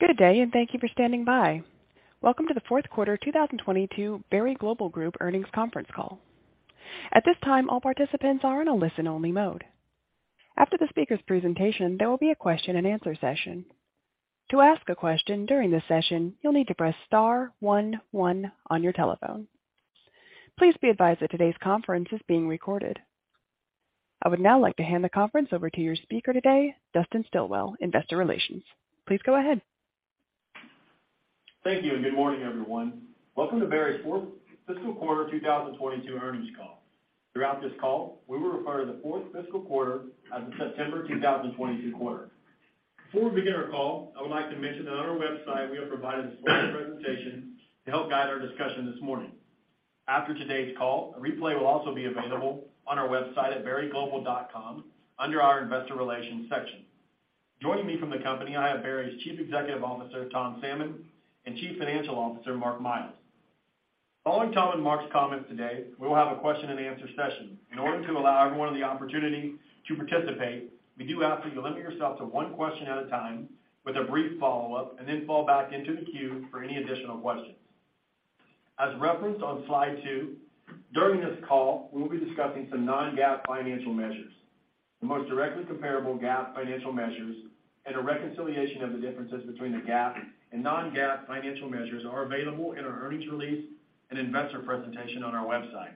Good day, and thank you for standing by. Welcome to the fourth quarter 2022 Berry Global Group earnings conference call. At this time, all participants are in a listen-only mode. After the speaker's presentation, there will be a question-and-answer session. To ask a question during the session, you'll need to press star one one on your telephone. Please be advised that today's conference is being recorded. I would now like to hand the conference over to your speaker today, Dustin Stilwell, Investor Relations. Please go ahead. Thank you, and good morning, everyone. Welcome to Berry's fourth fiscal quarter 2022 earnings call. Throughout this call, we will refer to the fourth fiscal quarter as the September 2022 quarter. Before we begin our call, I would like to mention that on our website we have provided a slide presentation to help guide our discussion this morning. After today's call, a replay will also be available on our website at berryglobal.com under our Investor Relations section. Joining me from the company, I have Berry's Chief Executive Officer, Tom Salmon, and Chief Financial Officer, Mark Miles. Following Tom and Mark's comments today, we will have a question-and-answer session. In order to allow everyone the opportunity to participate, we do ask that you limit yourself to one question at a time with a brief follow-up, and then fall back into the queue for any additional questions. As referenced on slide two, during this call, we will be discussing some non-GAAP financial measures. The most directly comparable GAAP financial measures and a reconciliation of the differences between the GAAP and non-GAAP financial measures are available in our earnings release and investor presentation on our website.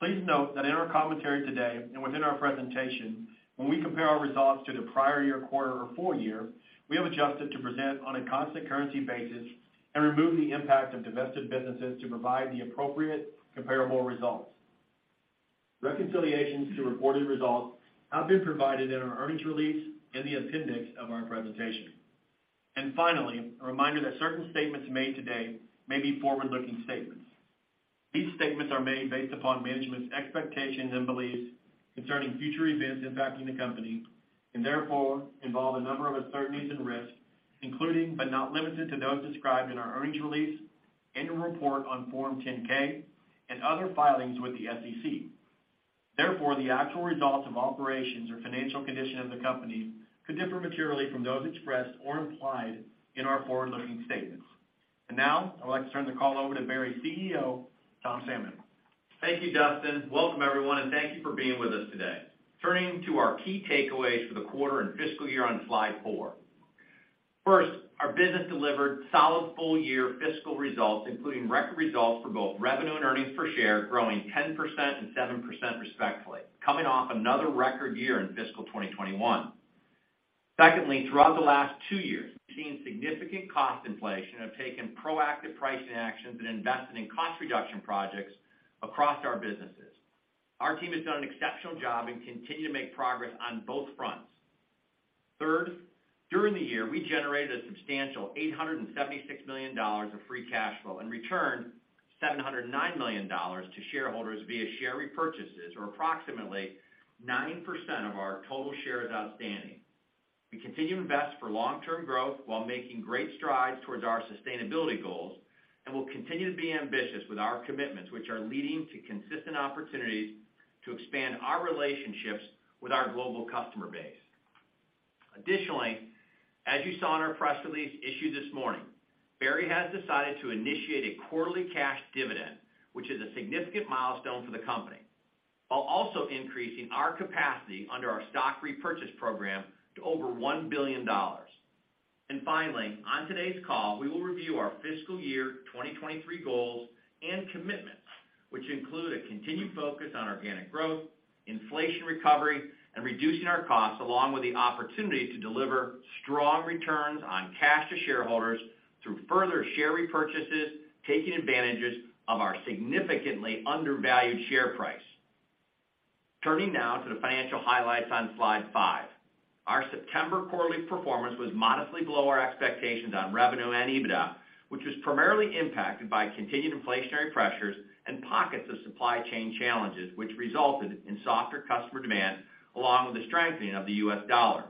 Please note that in our commentary today, and within our presentation, when we compare our results to the prior year quarter or full year, we have adjusted to present on a constant currency basis and remove the impact of divested businesses to provide the appropriate comparable results. Reconciliations to reported results have been provided in our earnings release in the appendix of our presentation. Finally, a reminder that certain statements made today may be forward-looking statements. These statements are made based upon management's expectations and beliefs concerning future events impacting the company, and therefore involve a number of uncertainties and risks, including, but not limited to, those described in our earnings release, annual report on Form 10-K and other filings with the SEC. Therefore, the actual results of operations or financial condition of the company could differ materially from those expressed or implied in our forward-looking statements. Now, I would like to turn the call over to Berry's CEO, Tom Salmon. Thank you, Dustin. Welcome, everyone, and thank you for being with us today. Turning to our key takeaways for the quarter and fiscal year on slide four. First, our business delivered solid full-year fiscal results, including record results for both revenue and earnings per share, growing 10% and 7% respectively, coming off another record year in fiscal 2021. Secondly, throughout the last two years, we've seen significant cost inflation, have taken proactive pricing actions, and invested in cost reduction projects across our businesses. Our team has done an exceptional job and continue to make progress on both fronts. Third, during the year, we generated a substantial $876 million of free cash flow and returned $709 million to shareholders via share repurchases, or approximately 9% of our total shares outstanding. We continue to invest for long-term growth while making great strides towards our sustainability goals, and we'll continue to be ambitious with our commitments, which are leading to consistent opportunities to expand our relationships with our global customer base. Additionally, as you saw in our press release issued this morning, Berry has decided to initiate a quarterly cash dividend, which is a significant milestone for the company, while also increasing our capacity under our stock repurchase program to over $1 billion. Finally, on today's call, we will review our fiscal year 2023 goals and commitments, which include a continued focus on organic growth, inflation recovery, and reducing our costs, along with the opportunity to deliver strong returns on cash to shareholders through further share repurchases, taking advantages of our significantly undervalued share price. Turning now to the financial highlights on slide five. Our September quarterly performance was modestly below our expectations on revenue and EBITDA, which was primarily impacted by continued inflationary pressures and pockets of supply chain challenges, which resulted in softer customer demand, along with the strengthening of the U.S. dollar.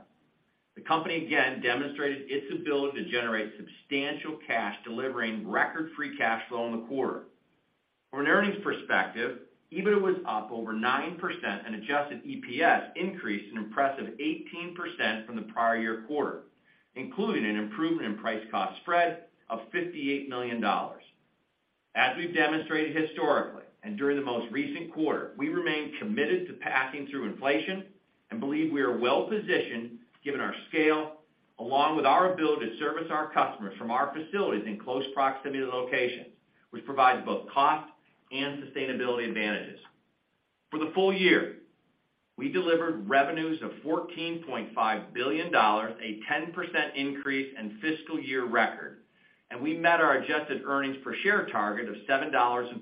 The company again demonstrated its ability to generate substantial cash, delivering record free cash flow in the quarter. From an earnings perspective, EBITDA was up over 9%, and Adjusted EPS increased an impressive 18% from the prior year quarter, including an improvement in price cost spread of $58 million. As we've demonstrated historically, and during the most recent quarter, we remain committed to passing through inflation and believe we are well positioned given our scale, along with our ability to service our customers from our facilities in close proximity to locations, which provides both cost and sustainability advantages. For the full year, we delivered revenues of $14.5 billion, a 10% increase and fiscal year record, and we met our Adjusted EPS target of $7.40.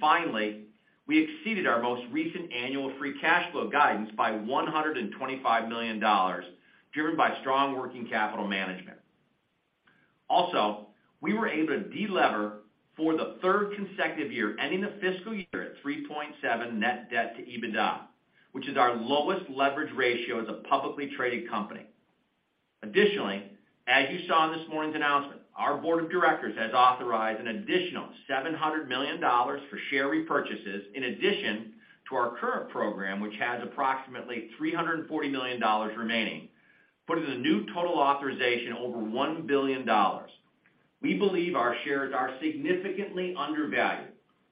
Finally, we exceeded our most recent annual free cash flow guidance by $125 million, driven by strong working capital management. Also, we were able to de-lever for the third consecutive year, ending the fiscal year at 3.7 net debt to EBITDA, which is our lowest leverage ratio as a publicly traded company. Additionally, as you saw in this morning's announcement, our board of directors has authorized an additional $700 million for share repurchases in addition to our current program, which has approximately $340 million remaining, putting the new total authorization over $1 billion. We believe our shares are significantly undervalued,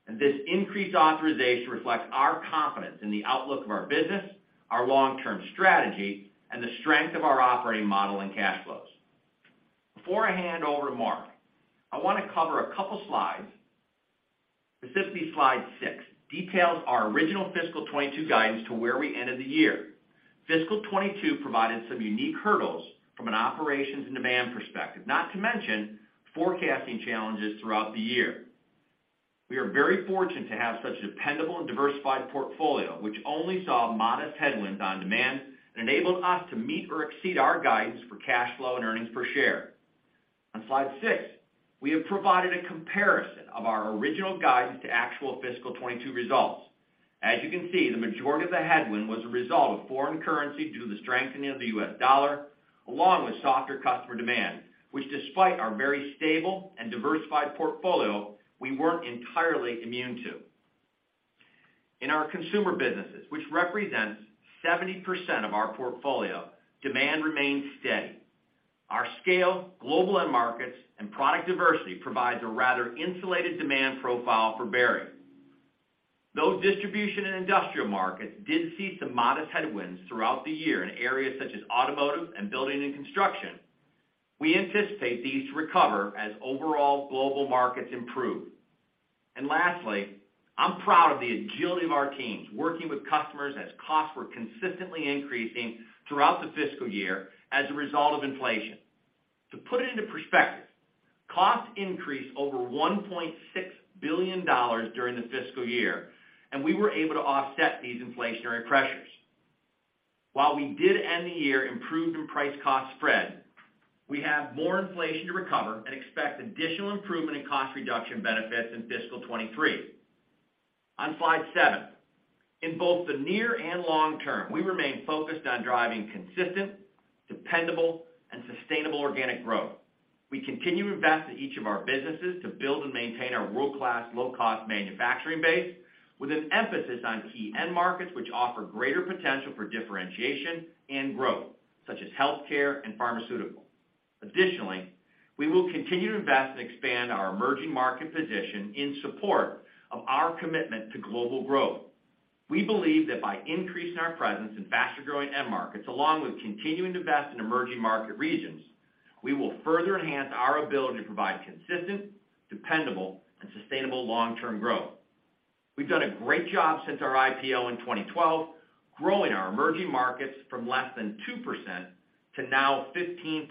and this increased authorization reflects our confidence in the outlook of our business, our long-term strategy, and the strength of our operating model and cash flows. Before I hand over to Mark, I want to cover a couple slides. Specifically, slide six details our original fiscal 2022 guidance to where we ended the year. Fiscal 2022 provided some unique hurdles from an operations and demand perspective, not to mention forecasting challenges throughout the year. We are very fortunate to have such a dependable and diversified portfolio, which only saw modest headwinds on demand and enabled us to meet or exceed our guidance for cash flow and earnings per share. On slide six, we have provided a comparison of our original guidance to actual fiscal 2022 results. As you can see, the majority of the headwind was a result of foreign currency due to the strengthening of the U.S. dollar, along with softer customer demand, which despite our very stable and diversified portfolio, we weren't entirely immune to. In our consumer businesses, which represents 70% of our portfolio, demand remained steady. Our scale, global end markets, and product diversity provides a rather insulated demand profile for Berry. Though distribution and industrial markets did see some modest headwinds throughout the year in areas such as automotive and building and construction, we anticipate these to recover as overall global markets improve. Lastly, I'm proud of the agility of our teams working with customers as costs were consistently increasing throughout the fiscal year as a result of inflation. To put it into perspective, costs increased over $1.6 billion during the fiscal year, and we were able to offset these inflationary pressures. While we did end the year improved in price-cost spread, we have more inflation to recover and expect additional improvement in cost reduction benefits in fiscal 2023. On slide seven, in both the near and long term, we remain focused on driving consistent, dependable, and sustainable organic growth. We continue to invest in each of our businesses to build and maintain our world-class low-cost manufacturing base with an emphasis on key end markets which offer greater potential for differentiation and growth, such as healthcare and pharmaceutical. Additionally, we will continue to invest and expand our emerging market position in support of our commitment to global growth. We believe that by increasing our presence in faster-growing end markets along with continuing to invest in emerging market regions, we will further enhance our ability to provide consistent, dependable, and sustainable long-term growth. We've done a great job since our IPO in 2012, growing our emerging markets from less than 2% to now 15%.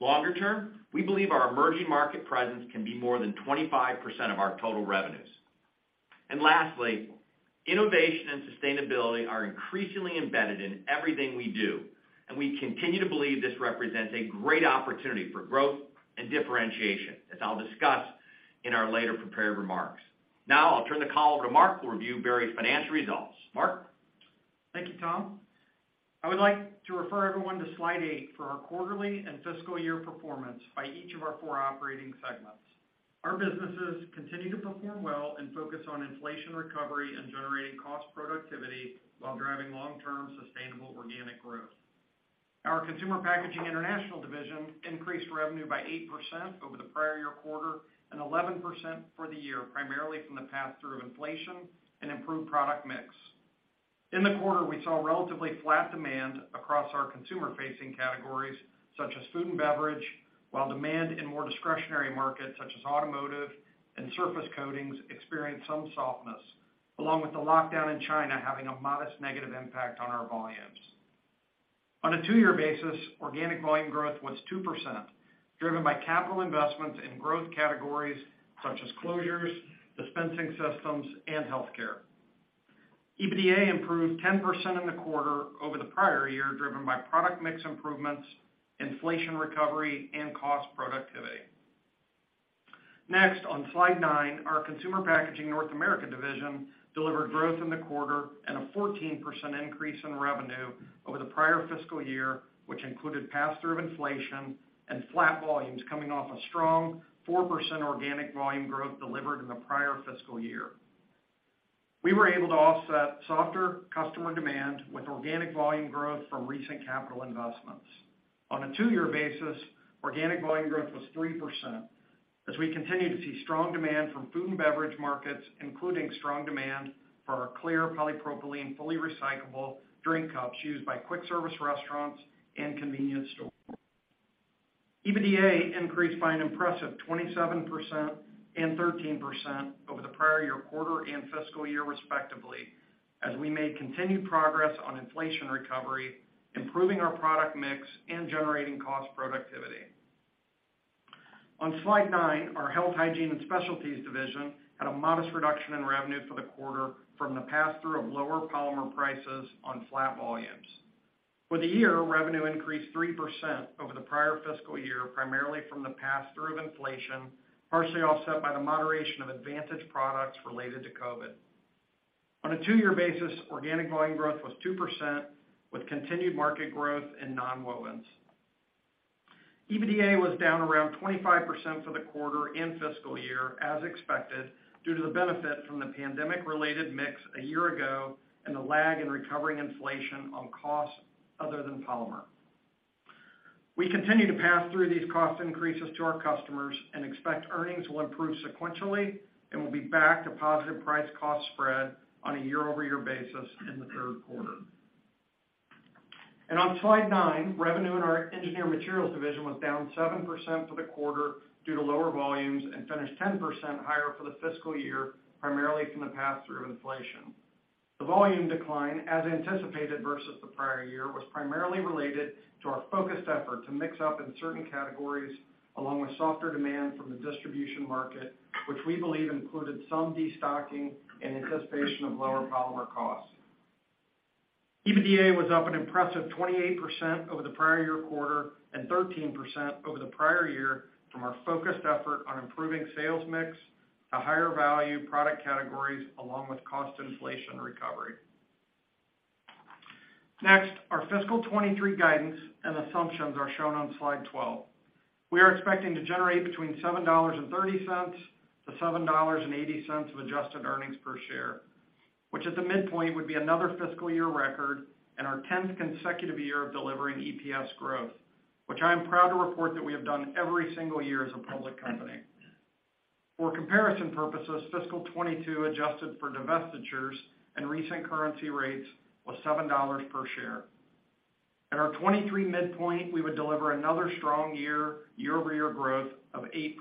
Longer term, we believe our emerging market presence can be more than 25% of our total revenues. Lastly, innovation and sustainability are increasingly embedded in everything we do, and we continue to believe this represents a great opportunity for growth and differentiation, as I'll discuss in our later prepared remarks. Now I'll turn the call over to Mark, who will review Berry's financial results. Mark? Thank you, Tom. I would like to refer everyone to slide eight for our quarterly and fiscal year performance by each of our four operating segments. Our businesses continue to perform well and focus on inflation recovery and generating cost productivity while driving long-term sustainable organic growth. Our Consumer Packaging International division increased revenue by 8% over the prior year quarter and 11% for the year, primarily from the pass-through of inflation and improved product mix. In the quarter, we saw relatively flat demand across our consumer-facing categories, such as food and beverage, while demand in more discretionary markets, such as automotive and surface coatings, experienced some softness, along with the lockdown in China having a modest negative impact on our volumes. On a two-year basis, organic volume growth was 2%, driven by capital investments in growth categories such as closures, dispensing systems, and healthcare. EBITDA improved 10% in the quarter over the prior year, driven by product mix improvements, inflation recovery, and cost productivity. Next, on slide nine, our Consumer Packaging North America division delivered growth in the quarter and a 14% increase in revenue over the prior fiscal year, which included pass-through of inflation and flat volumes coming off a strong 4% organic volume growth delivered in the prior fiscal year. We were able to offset softer customer demand with organic volume growth from recent capital investments. On a two-year basis, organic volume growth was 3% as we continue to see strong demand from food and beverage markets, including strong demand for our clear polypropylene fully recyclable drink cups used by quick service restaurants and convenience stores. EBITDA increased by an impressive 27% and 13% over the prior year quarter and fiscal year respectively, as we made continued progress on inflation recovery, improving our product mix, and generating cost productivity. On slide nine, our Health, Hygiene and Specialties division had a modest reduction in revenue for the quarter from the pass-through of lower polymer prices on flat volumes. For the year, revenue increased 3% over the prior fiscal year, primarily from the pass-through of inflation, partially offset by the moderation of advantage products related to COVID. On a two-year basis, organic volume growth was 2%, with continued market growth in nonwovens. EBITDA was down around 25% for the quarter and fiscal year, as expected, due to the benefit from the pandemic-related mix a year ago and the lag in recovering inflation on costs other than polymer. We continue to pass through these cost increases to our customers and expect earnings will improve sequentially and will be back to positive price cost spread on a year-over-year basis in the third quarter. On slide nine, revenue in our Engineered Materials division was down 7% for the quarter due to lower volumes and finished 10% higher for the fiscal year, primarily from the pass-through of inflation. The volume decline, as anticipated versus the prior year, was primarily related to our focused effort to mix up in certain categories, along with softer demand from the distribution market, which we believe included some destocking in anticipation of lower polymer costs. EBITDA was up an impressive 28% over the prior year quarter and 13% over the prior year from our focused effort on improving sales mix to higher value product categories, along with cost inflation recovery. Next, our fiscal 2023 guidance and assumptions are shown on slide 12. We are expecting to generate between $7.30 and $7.80 of adjusted earnings per share, which at the midpoint would be another fiscal year record and our 10th consecutive year of delivering EPS growth, which I am proud to report that we have done every single year as a public company. For comparison purposes, fiscal 2022 adjusted for divestitures and recent currency rates was $7 per share. At our 2023 midpoint, we would deliver another strong year-over-year growth of 8%.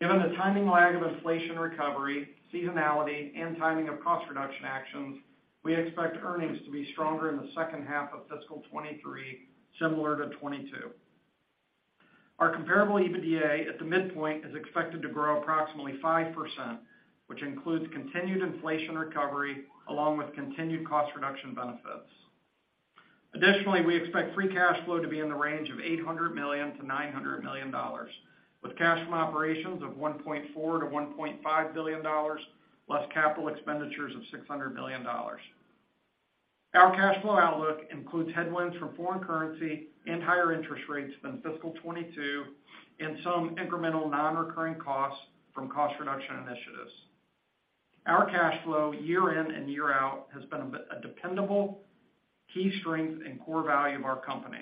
Given the timing lag of inflation recovery, seasonality, and timing of cost reduction actions, we expect earnings to be stronger in the H2 of fiscal 2023, similar to 2022. Our comparable EBITDA at the midpoint is expected to grow approximately 5%, which includes continued inflation recovery along with continued cost reduction benefits. Additionally, we expect free cash flow to be in the range of $800 million-$900 million, with cash from operations of $1.4 billion-$1.5 billion, less capital expenditures of $600 million. Our cash flow outlook includes headwinds from foreign currency and higher interest rates than fiscal 2022 and some incremental non-recurring costs from cost reduction initiatives. Our cash flow year in and year out has been a dependable key strength and core value of our company.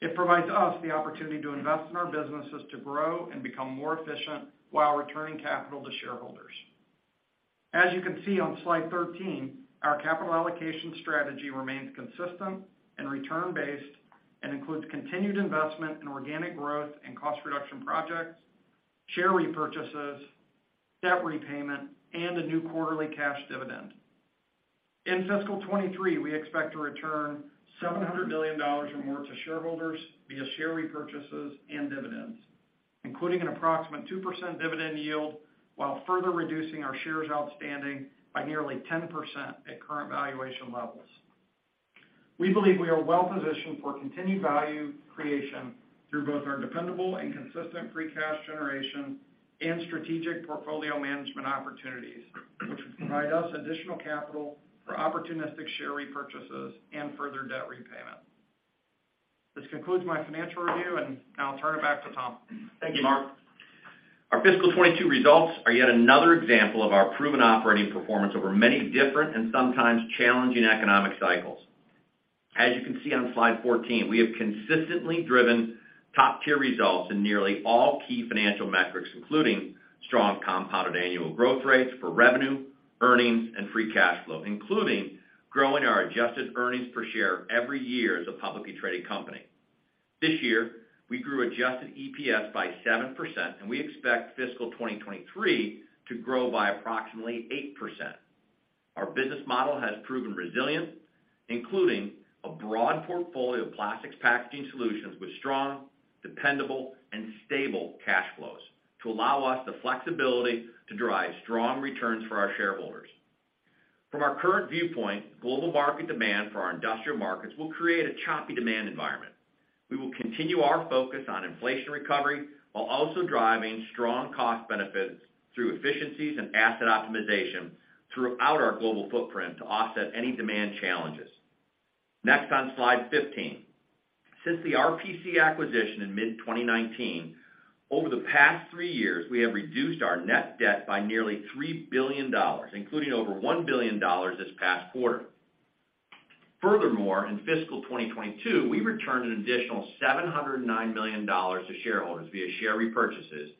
It provides us the opportunity to invest in our businesses to grow and become more efficient while returning capital to shareholders. As you can see on slide 13, our capital allocation strategy remains consistent and return based and includes continued investment in organic growth and cost reduction projects, share repurchases, debt repayment, and a new quarterly cash dividend. In fiscal 2023, we expect to return $700 million or more to shareholders via share repurchases and dividends, including an approximate 2% dividend yield, while further reducing our shares outstanding by nearly 10% at current valuation levels. We believe we are well positioned for continued value creation through both our dependable and consistent free cash generation and strategic portfolio management opportunities, which provide us additional capital for opportunistic share repurchases and further debt repayment. This concludes my financial review, and now I'll turn it back to Tom. Thank you, Mark. Our fiscal 2022 results are yet another example of our proven operating performance over many different and sometimes challenging economic cycles. As you can see on slide 14, we have consistently driven top-tier results in nearly all key financial metrics, including strong compounded annual growth rates for revenue, earnings, and free cash flow, including growing our adjusted earnings per share every year as a publicly traded company. This year, we grew adjusted EPS by 7%, and we expect fiscal 2023 to grow by approximately 8%. Our business model has proven resilient, including a broad portfolio of plastics packaging solutions with strong, dependable, and stable cash flows to allow us the flexibility to drive strong returns for our shareholders. From our current viewpoint, global market demand for our industrial markets will create a choppy demand environment. We will continue our focus on inflation recovery while also driving strong cost benefits through efficiencies and asset optimization throughout our global footprint to offset any demand challenges. Next, on slide 15. Since the RPC acquisition in mid-2019, over the past three years, we have reduced our net debt by nearly $3 billion, including over $1 billion this past quarter. Furthermore, in fiscal 2022, we returned an additional $709 million to shareholders via share repurchases,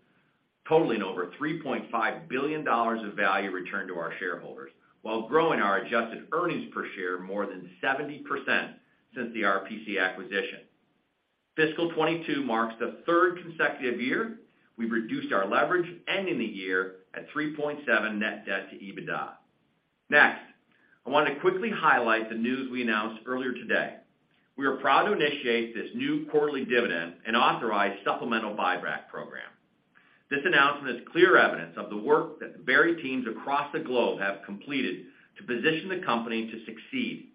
totaling over $3.5 billion of value returned to our shareholders while growing our adjusted earnings per share more than 70% since the RPC acquisition. Fiscal 2022 marks the third consecutive year we've reduced our leverage, ending the year at 3.7 net debt to EBITDA. Next, I want to quickly highlight the news we announced earlier today. We are proud to initiate this new quarterly dividend and authorize supplemental buyback program. This announcement is clear evidence of the work that the Berry teams across the globe have completed to position the company to succeed.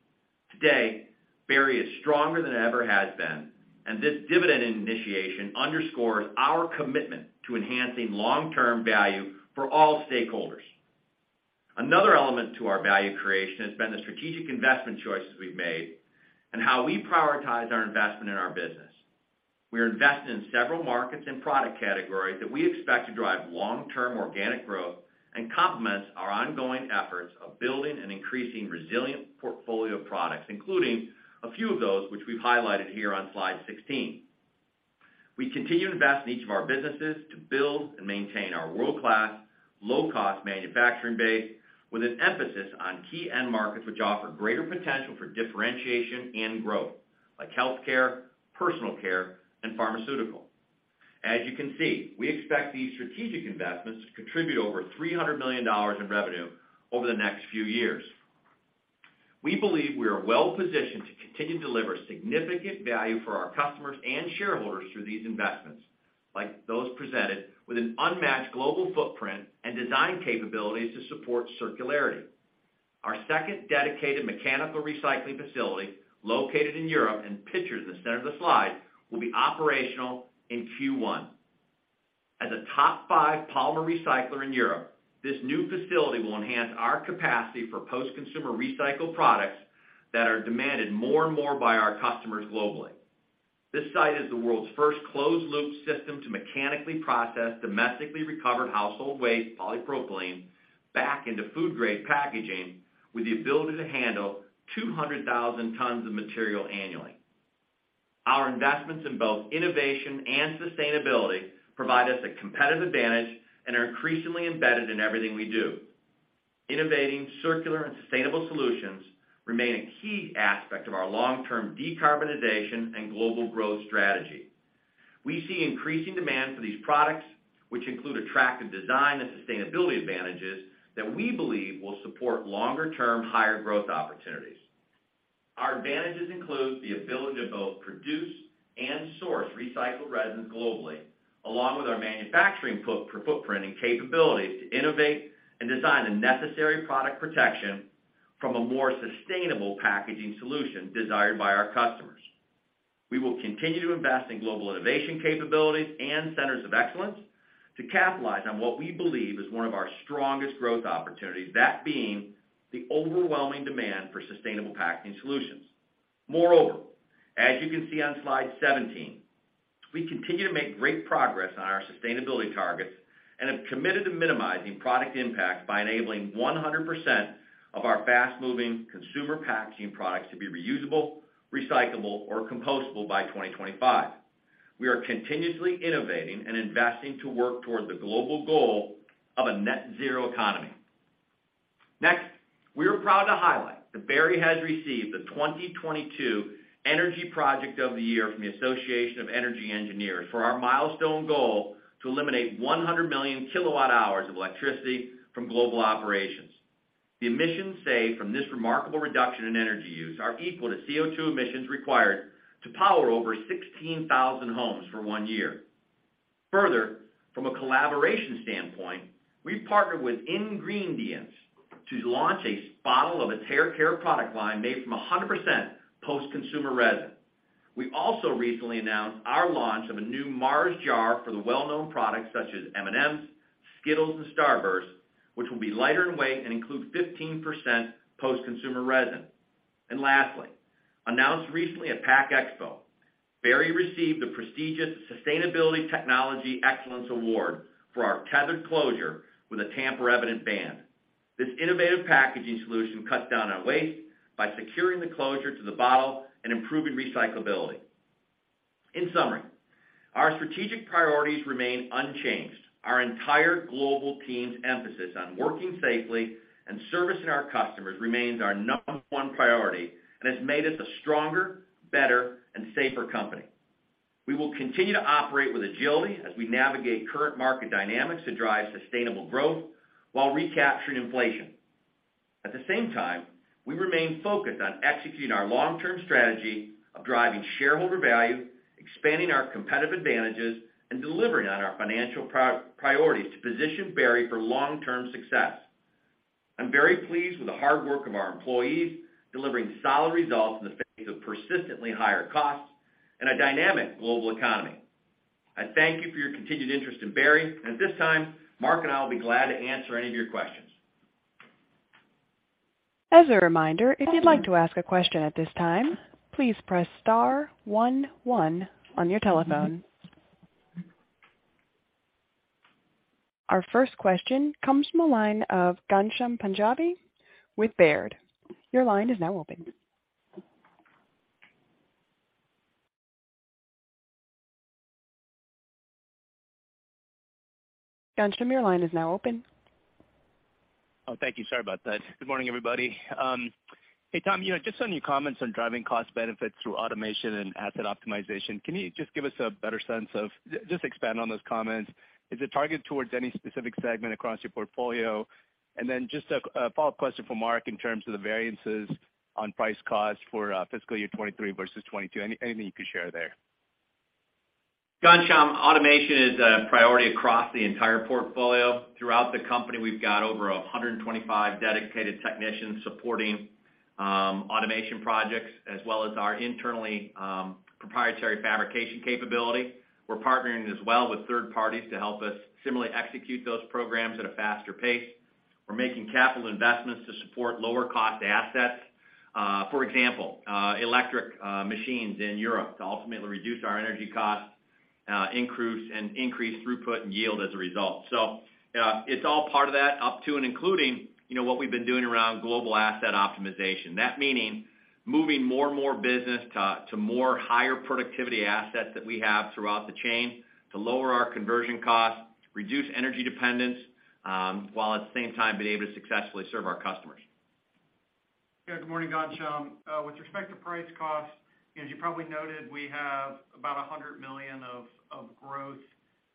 Today, Berry is stronger than it ever has been, and this dividend initiation underscores our commitment to enhancing long-term value for all stakeholders. Another element to our value creation has been the strategic investment choices we've made and how we prioritize our investment in our business. We are investing in several markets and product categories that we expect to drive long-term organic growth and complements our ongoing efforts of building and increasing resilient portfolio of products, including a few of those which we've highlighted here on slide 16. We continue to invest in each of our businesses to build and maintain our world-class, low-cost manufacturing base with an emphasis on key end markets which offer greater potential for differentiation and growth, like healthcare, personal care, and pharmaceutical. As you can see, we expect these strategic investments to contribute over $300 million in revenue over the next few years. We believe we are well-positioned to continue to deliver significant value for our customers and shareholders through these investments, like those presented with an unmatched global footprint and design capabilities to support circularity. Our second dedicated mechanical recycling facility, located in Europe and pictured in the center of the slide, will be operational in Q1. As a top five polymer recycler in Europe, this new facility will enhance our capacity for post-consumer recycled products that are demanded more and more by our customers globally. This site is the world's first closed loop system to mechanically process domestically recovered household waste polypropylene back into food grade packaging with the ability to handle 200,000 tons of material annually. Our investments in both innovation and sustainability provide us a competitive advantage and are increasingly embedded in everything we do. Innovating circular and sustainable solutions remain a key aspect of our long-term decarbonization and global growth strategy. We see increasing demand for these products, which include attractive design and sustainability advantages that we believe will support longer term, higher growth opportunities. Our advantages include the ability to both produce and source recycled resins globally, along with our manufacturing footprint capabilities to innovate and design the necessary product protection from a more sustainable packaging solution desired by our customers. We will continue to invest in global innovation capabilities and centers of excellence to capitalize on what we believe is one of our strongest growth opportunities, that being the overwhelming demand for sustainable packaging solutions. Moreover, as you can see on slide 17, we continue to make great progress on our sustainability targets and have committed to minimizing product impact by enabling 100% of our fast-moving consumer packaging products to be reusable, recyclable, or compostable by 2025. We are continuously innovating and investing to work toward the global goal of a net zero economy. Next, we are proud to highlight that Berry has received the 2022 Energy Project of the Year from the Association of Energy Engineers for our milestone goal to eliminate 100 million kWh of electricity from global operations. The emissions saved from this remarkable reduction in energy use are equal to CO2 emissions required to power over 16,000 homes for one year. Further, from a collaboration standpoint, we've partnered with Ingreendients to launch a bottle of a hair care product line made from 100% post-consumer resin. We also recently announced our launch of a new Mars jar for the well-known products such as M&M's, Skittles, and Starburst, which will be lighter in weight and include 15% post-consumer resin. Lastly, announced recently at PACK EXPO, Berry received the prestigious Sustainability Technology Excellence Award for our tethered closure with a tamper evident band. This innovative packaging solution cuts down on waste by securing the closure to the bottle and improving recyclability. In summary, our strategic priorities remain unchanged. Our entire global team's emphasis on working safely and servicing our customers remains our number one priority and has made us a stronger, better, and safer company. We will continue to operate with agility as we navigate current market dynamics to drive sustainable growth while recapturing inflation. At the same time, we remain focused on executing our long-term strategy of driving shareholder value, expanding our competitive advantages, and delivering on our financial priorities to position Berry for long-term success. I'm very pleased with the hard work of our employees, delivering solid results in the face of persistently higher costs and a dynamic global economy. I thank you for your continued interest in Berry, and at this time, Mark and I will be glad to answer any of your questions. As a reminder, if you'd like to ask a question at this time, please press star one one on your telephone. Our first question comes from the line of Ghansham Panjabi with Baird. Your line is now open. Ghansham, your line is now open. Oh, thank you, sorry about that. Good morning, everybody. Hey, Tom, you know, just on your comments on driving cost benefits through automation and asset optimization, can you just give us a better sense of. Just expand on those comments. Is it targeted towards any specific segment across your portfolio? Then just a follow-up question for Mark in terms of the variances on price cost for fiscal year 2023 versus 2022. Anything you could share there. Ghansham, automation is a priority across the entire portfolio. Throughout the company, we've got over 125 dedicated technicians supporting automation projects as well as our internally proprietary fabrication capability. We're partnering as well with third parties to help us similarly execute those programs at a faster pace. We're making capital investments to support lower cost assets. For example, electric machines in Europe to ultimately reduce our energy costs, increase throughput and yield as a result. It's all part of that up to and including, you know, what we've been doing around global asset optimization. That meaning moving more and more business to more higher productivity assets that we have throughout the chain to lower our conversion costs, reduce energy dependence, while at the same time being able to successfully serve our customers. Yeah. Good morning, Ghansham. With respect to price costs, as you probably noted, we have about $100 million of growth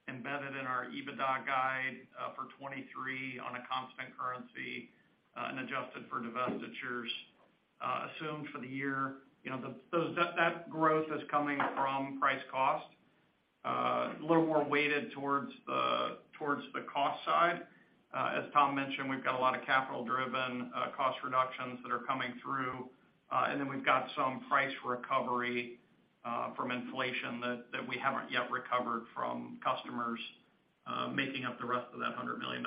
embedded in our EBITDA guide for 2023 on a constant currency and adjusted for divestitures assumed for the year. You know, that growth is coming from price cost. A little more weighted towards the cost side. As Tom mentioned, we've got a lot of capital-driven cost reductions that are coming through, and then we've got some price recovery from inflation that we haven't yet recovered from customers, making up the rest of that $100 million.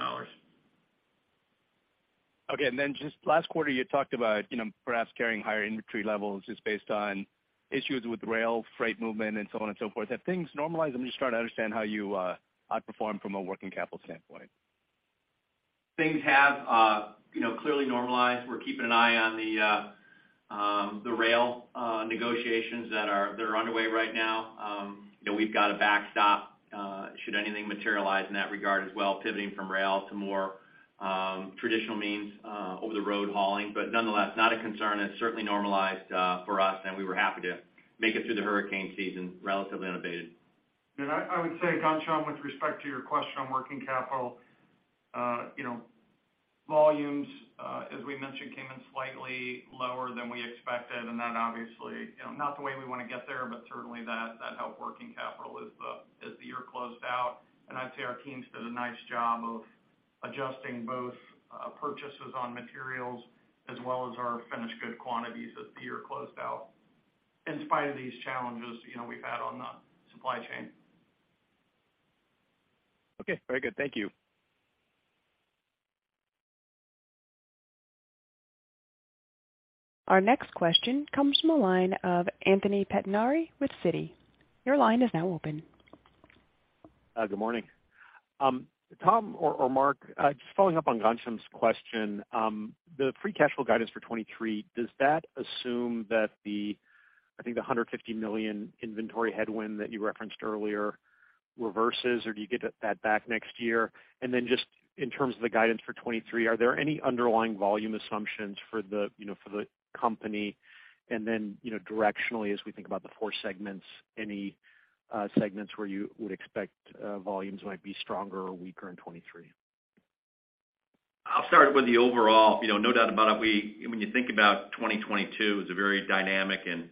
Okay. Then just last quarter you talked about, you know, perhaps carrying higher inventory levels just based on issues with rail, freight movement, and so on and so forth. Have things normalized? I'm just trying to understand how you outperform from a working capital standpoint. Things have, you know, clearly normalized. We're keeping an eye on the rail negotiations that are underway right now. You know, we've got a backstop should anything materialize in that regard as well, pivoting from rail to more traditional means, over the road hauling. Nonetheless, not a concern. It's certainly normalized for us, and we were happy to make it through the hurricane season relatively unabated. I would say, Ghansham, with respect to your question on working capital, you know, volumes, as we mentioned, came in slightly lower than we expected, and that obviously, you know, not the way we wanna get there, but certainly that helped working capital as the year closed out. I'd say our team did a nice job of adjusting both purchases on materials as well as our finished goods quantities as the year closed out, in spite of these challenges, you know, we've had on the supply chain. Okay. Very good. Thank you. Our next question comes from the line of Anthony Pettinari with Citi. Your line is now open. Good morning. Tom or Mark, just following up on Ghansham's question, the free cash flow guidance for 2023, does that assume that the $150 million inventory headwind that you referenced earlier reverses, or do you get that back next year? Just in terms of the guidance for 2023, are there any underlying volume assumptions for the company? Directionally, as we think about the four segments, any segments where you would expect volumes might be stronger or weaker in 2023? I'll start with the overall. You know, no doubt about it, we when you think about 2022, it was a very dynamic and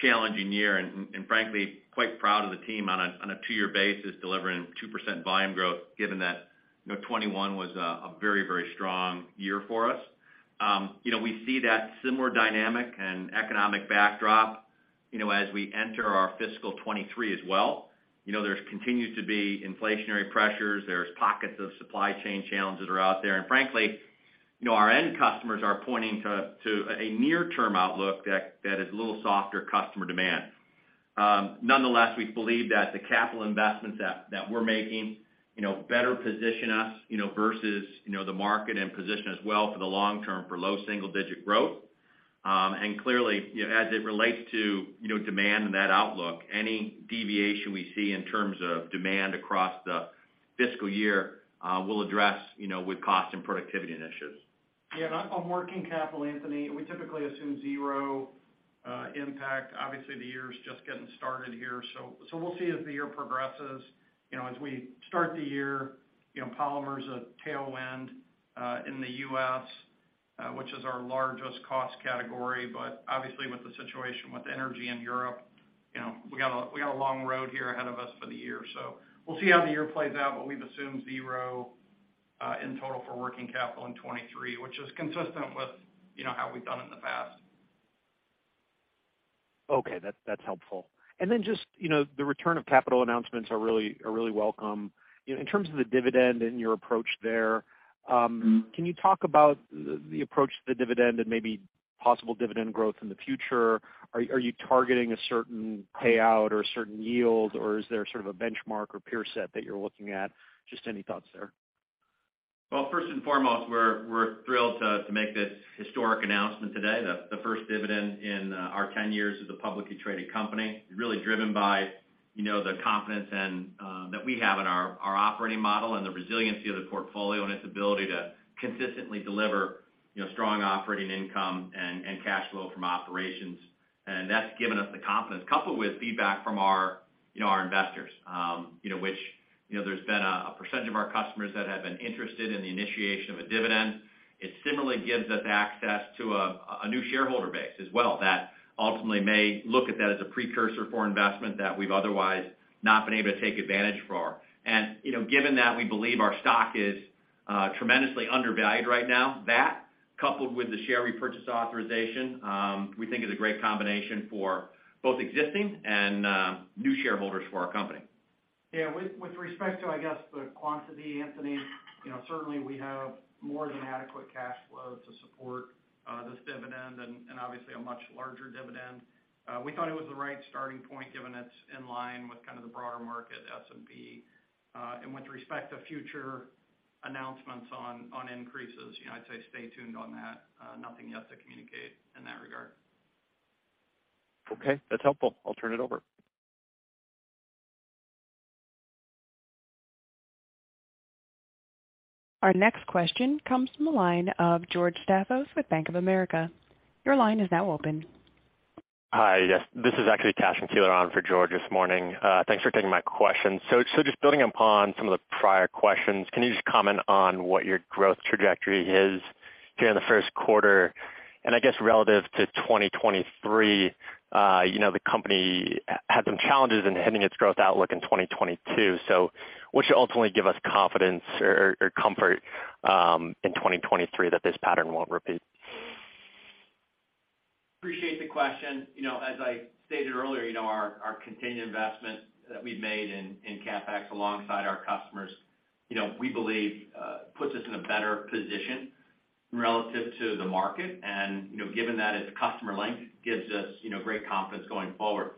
challenging year and frankly, quite proud of the team on a two-year basis, delivering 2% volume growth given that, you know, 2021 was a very strong year for us. You know, we see that similar dynamic and economic backdrop, you know, as we enter our fiscal 2023 as well. You know, there continues to be inflationary pressures. There are pockets of supply chain challenges out there. Frankly, you know, our end customers are pointing to a near-term outlook that is a little softer customer demand. Nonetheless, we believe that the capital investments that we're making, you know, better position us, you know, versus, you know, the market and position us well for the long term for low single digit growth. Clearly, as it relates to, you know, demand and that outlook, any deviation we see in terms of demand across the fiscal year, we'll address, you know, with cost and productivity initiatives. Yeah. On working capital, Anthony, we typically assume zero impact. Obviously, the year is just getting started here. We'll see as the year progresses. You know, as we start the year, you know, polymer's a tailwind in the U.S., which is our largest cost category. But obviously, with the situation with energy in Europe, you know, we got a long road here ahead of us for the year. We'll see how the year plays out, but we've assumed zero in total for working capital in 2023, which is consistent with how we've done in the past. Okay. That's helpful. Just, you know, the return of capital announcements are really welcome. You know, in terms of the dividend and your approach there, can you talk about the approach to the dividend and maybe possible dividend growth in the future? Are you targeting a certain payout or a certain yield, or is there sort of a benchmark or peer set that you're looking at? Just any thoughts there. Well, first and foremost, we're thrilled to make this historic announcement today. The first dividend in our 10 years as a publicly traded company, really driven by, you know, the confidence and that we have in our operating model and the resiliency of the portfolio and its ability to consistently deliver, you know, strong operating income and cash flow from operations. That's given us the confidence. Coupled with feedback from our investors, you know, which, you know, there's been a percentage of our customers that have been interested in the initiation of a dividend. It similarly gives us access to a new shareholder base as well, that ultimately may look at that as a precursor for investment that we've otherwise not been able to take advantage for. You know, given that we believe our stock is tremendously undervalued right now, that, coupled with the share repurchase authorization, we think is a great combination for both existing and new shareholders for our company. Yeah. With respect to, I guess, the quantity, Anthony, you know, certainly we have more than adequate cash flow to support this dividend and obviously a much larger dividend. We thought it was the right starting point given it's in line with kind of the broader market S&P. With respect to future announcements on increases, you know, I'd say stay tuned on that. Nothing yet to communicate in that regard. Okay. That's helpful. I'll turn it over. Our next question comes from the line of George Staphos with Bank of America. Your line is now open. Hi. Yes. This is actually Cashen Keeler on for George this morning. Thanks for taking my question. Just building upon some of the prior questions, can you just comment on what your growth trajectory is during the first quarter? I guess relative to 2023, the company had some challenges in hitting its growth outlook in 2022. What should ultimately give us confidence or comfort in 2023 that this pattern won't repeat? Appreciate the question. You know, as I stated earlier, you know, our continued investment that we've made in CapEx alongside our customers, you know, we believe puts us in a better position relative to the market. You know, given that it's customer linked gives us, you know, great confidence going forward.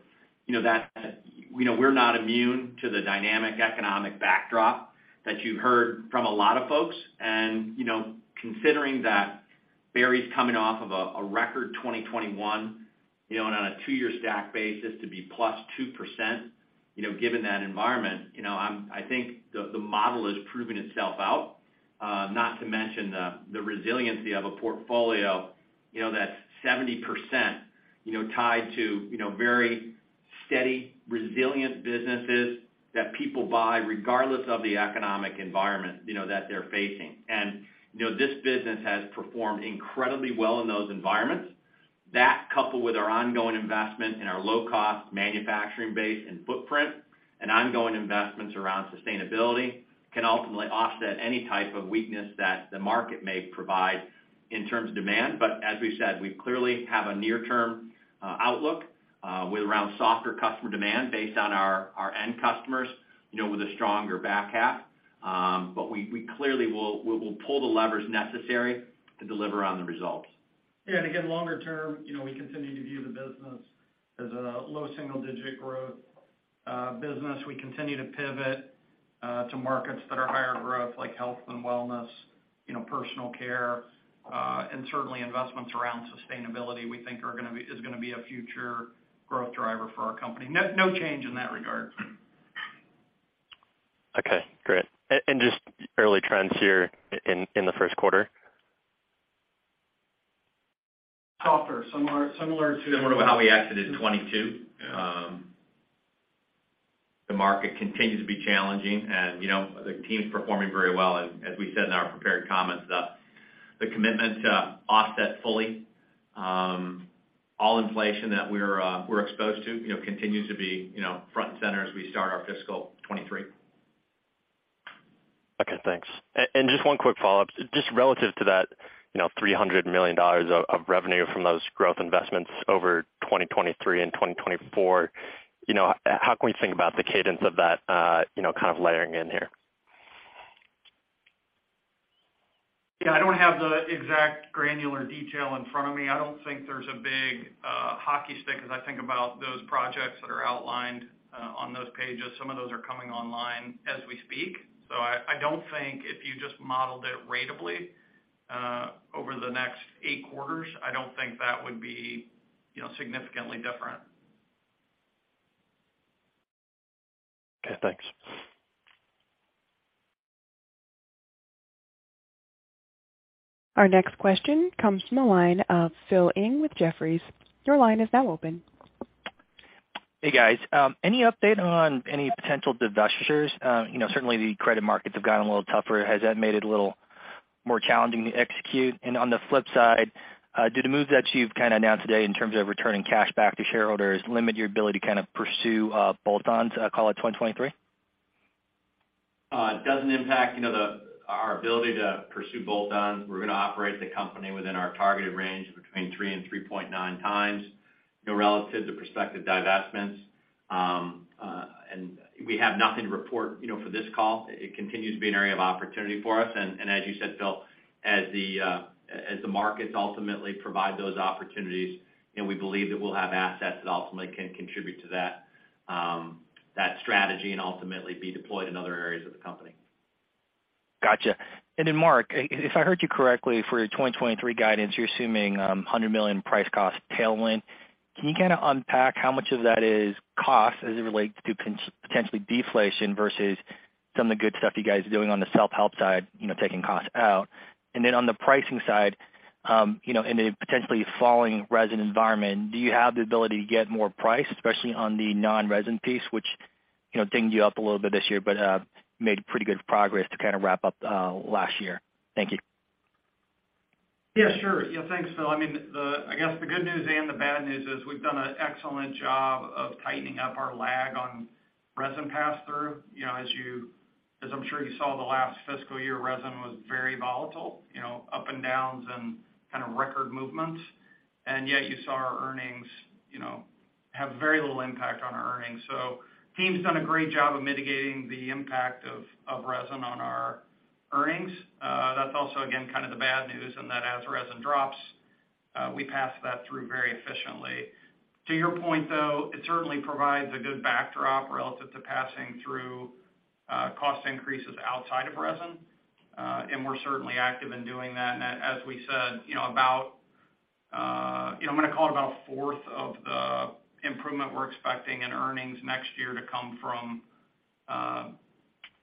You know, that, you know, we're not immune to the dynamic economic backdrop that you heard from a lot of folks. You know, considering that Berry's coming off of a record 2021, you know, on a two-year stack basis to be +2%, you know, given that environment, you know, I think the model is proving itself out. Not to mention the resiliency of a portfolio, you know, that's 70%, you know, tied to, you know, very steady, resilient businesses that people buy regardless of the economic environment, you know, that they're facing. You know, this business has performed incredibly well in those environments. That coupled with our ongoing investment in our low cost manufacturing base and footprint and ongoing investments around sustainability can ultimately offset any type of weakness that the market may provide in terms of demand. As we said, we clearly have a near term outlook with around softer customer demand based on our end customers, you know, with a stronger back half. We clearly will pull the levers necessary to deliver on the results. Yeah. Again, longer term, you know, we continue to view the business as a low single digit growth business. We continue to pivot to markets that are higher growth like health and wellness, you know, personal care, and certainly investments around sustainability we think is gonna be a future growth driver for our company. No, no change in that regard. Okay. Great. Just early trends here in the first quarter. Softer. Similar to. Similar to how we exited 2022. Yeah. The market continues to be challenging and, you know, the team's performing very well. As we said in our prepared comments, the commitment to offset fully all inflation that we're exposed to, you know, continues to be, you know, front and center as we start our fiscal 2023. Okay, thanks. Just one quick follow-up. Just relative to that, you know, $300 million of revenue from those growth investments over 2023 and 2024, you know, how can we think about the cadence of that, you know, kind of layering in here? Yeah, I don't have the exact granular detail in front of me. I don't think there's a big hockey stick as I think about those projects that are outlined on those pages. Some of those are coming online as we speak. I don't think if you just modeled it ratably over the next 8 quarters, I don't think that would be, you know, significantly different. Okay, thanks. Our next question comes from the line of Phil Ng with Jefferies. Your line is now open. Hey, guys. Any update on any potential divestitures? You know, certainly the credit markets have gotten a little tougher. Has that made it a little more challenging to execute? On the flip side, do the moves that you've kind of announced today in terms of returning cash back to shareholders limit your ability to kind of pursue bolt-ons, call it, 2023? It doesn't impact, you know, our ability to pursue bolt-ons. We're gonna operate the company within our targeted range between 3x and 3.9x, you know, relative to prospective divestments. We have nothing to report, you know, for this call. It continues to be an area of opportunity for us. As you said, Phil, as the markets ultimately provide those opportunities, you know, we believe that we'll have assets that ultimately can contribute to that strategy and ultimately be deployed in other areas of the company. Gotcha. Mark, if I heard you correctly, for your 2023 guidance, you're assuming $100 million price cost tailwind. Can you kinda unpack how much of that is cost as it relates to potentially deflation versus some of the good stuff you guys are doing on the self-help side, you know, taking costs out? On the pricing side, you know, in a potentially falling resin environment, do you have the ability to get more price, especially on the non-resin piece, which, you know, dinged you up a little bit this year, but made pretty good progress to kind of wrap up last year? Thank you. Yeah, sure. Yeah, thanks, Phil. I mean, the, I guess the good news and the bad news is we've done an excellent job of tightening up our lag on resin pass through. You know, as I'm sure you saw the last fiscal year, resin was very volatile, you know, ups and downs and kind of record movements, and yet you saw our earnings have very little impact on our earnings. Team's done a great job of mitigating the impact of resin on our earnings. That's also again kind of the bad news in that as resin drops, we pass that through very efficiently. To your point, though, it certainly provides a good backdrop relative to passing through cost increases outside of resin. We're certainly active in doing that. As we said, you know, about, you know, I'm gonna call it about a fourth of the improvement we're expecting in earnings next year to come from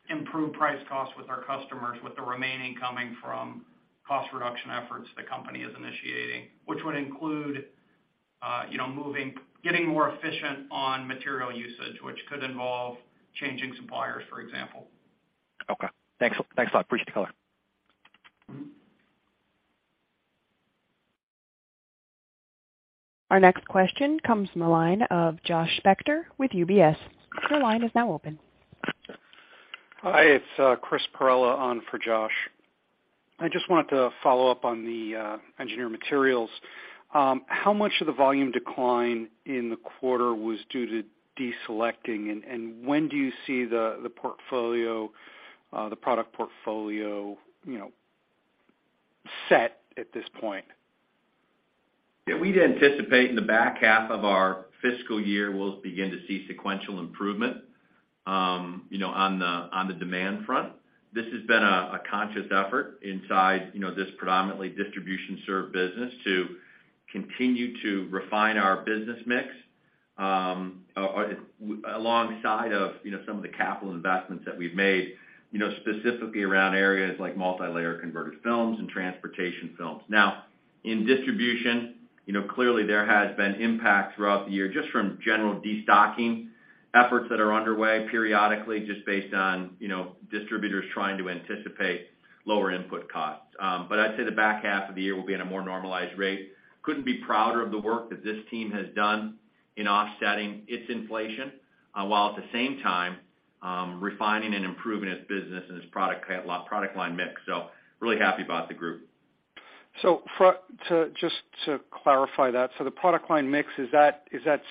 improved price costs with our customers, with the remaining coming from cost reduction efforts the company is initiating, which would include, you know, getting more efficient on material usage, which could involve changing suppliers, for example. Okay. Thanks. Thanks a lot. Appreciate the color. Our next question comes from the line of Josh Spector with UBS. Your line is now open. Hi, it's Chris Perrella on for Josh. I just wanted to follow up on the Engineered Materials. How much of the volume decline in the quarter was due to deselecting, and when do you see the portfolio, the product portfolio, you know, set at this point? Yeah, we'd anticipate in the back half of our fiscal year, we'll begin to see sequential improvement, you know, on the demand front. This has been a conscious effort inside, you know, this predominantly distribution served business to continue to refine our business mix, alongside of, you know, some of the capital investments that we've made, you know, specifically around areas like multilayer converter films and transportation films. Now, in distribution, you know, clearly there has been impact throughout the year just from general destocking efforts that are underway periodically just based on, you know, distributors trying to anticipate lower input costs. But I'd say the back half of the year will be at a more normalized rate. Couldn't be prouder of the work that this team has done in offsetting its inflation while at the same time refining and improving its business and its product line mix. Really happy about the group. Just to clarify that, the product line mix, is that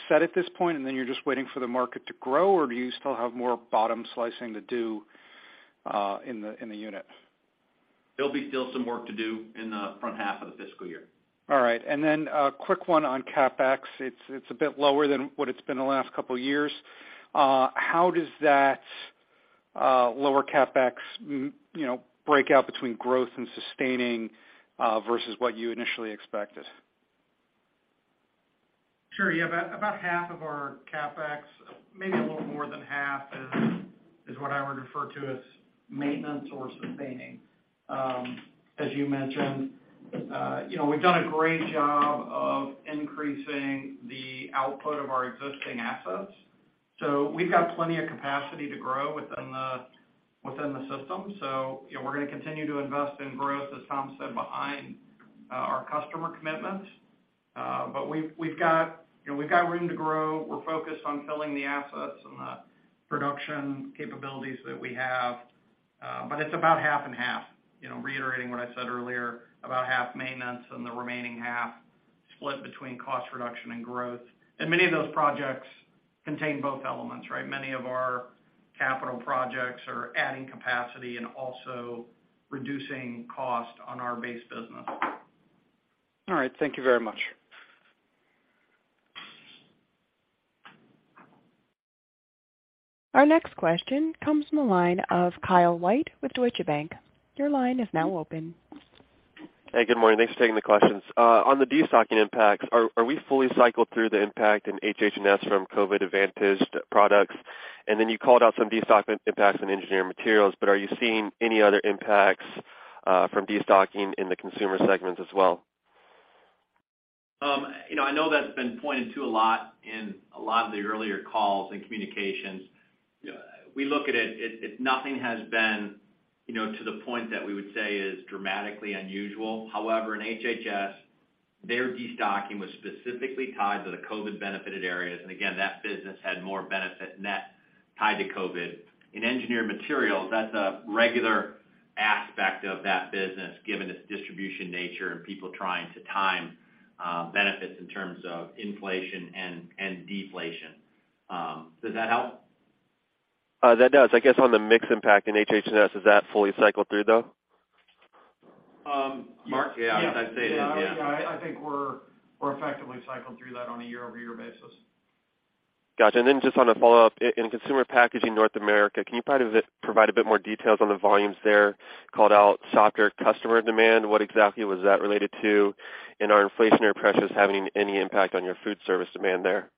set at this point, and then you're just waiting for the market to grow, or do you still have more bottom slicing to do in the unit? There'll be still some work to do in the front half of the fiscal year. All right. A quick one on CapEx. It's a bit lower than what it's been the last couple of years. How does that lower CapEx break out between growth and sustaining versus what you initially expected? Sure. Yeah. About half of our CapEx, maybe a little more than half, is what I would refer to as maintenance or sustaining. As you mentioned, you know, we've done a great job of increasing the output of our existing assets. We've got plenty of capacity to grow within the system. You know, we're gonna continue to invest in growth, as Tom said, behind our customer commitments. We've got, you know, room to grow. We're focused on filling the assets and the production capabilities that we have. It's about half and half, you know, reiterating what I said earlier, about half maintenance and the remaining half split between cost reduction and growth. Many of those projects contain both elements, right? Many of our capital projects are adding capacity and also reducing cost on our base business. All right. Thank you very much. Our next question comes from the line of Kyle White with Deutsche Bank. Your line is now open. Hey, good morning. Thanks for taking the questions. On the destocking impacts, are we fully cycled through the impact in HH&S from COVID advantaged products? Then you called out some destocking impacts on Engineered Materials, but are you seeing any other impacts from destocking in the consumer segments as well? You know, I know that's been pointed to a lot in a lot of the earlier calls and communications. We look at it, nothing has been, you know, to the point that we would say is dramatically unusual. However, in HH&S, their destocking was specifically tied to the COVID benefited areas, and again, that business had more benefit net tied to COVID. In Engineered Materials, that's a regular aspect of that business, given its distribution nature and people trying to time benefits in terms of inflation and deflation. Does that help? That does. I guess on the mix impact in HH&S, is that fully cycled through, though? Mark? Yeah. I'd say, yeah. Yeah. I think we're effectively cycled through that on a year-over-year basis. Got you. Just on a follow-up, in Consumer Packaging North America, can you provide a bit more details on the volumes there? Called out softer customer demand. What exactly was that related to? Are inflationary pressures having any impact on your food service demand there?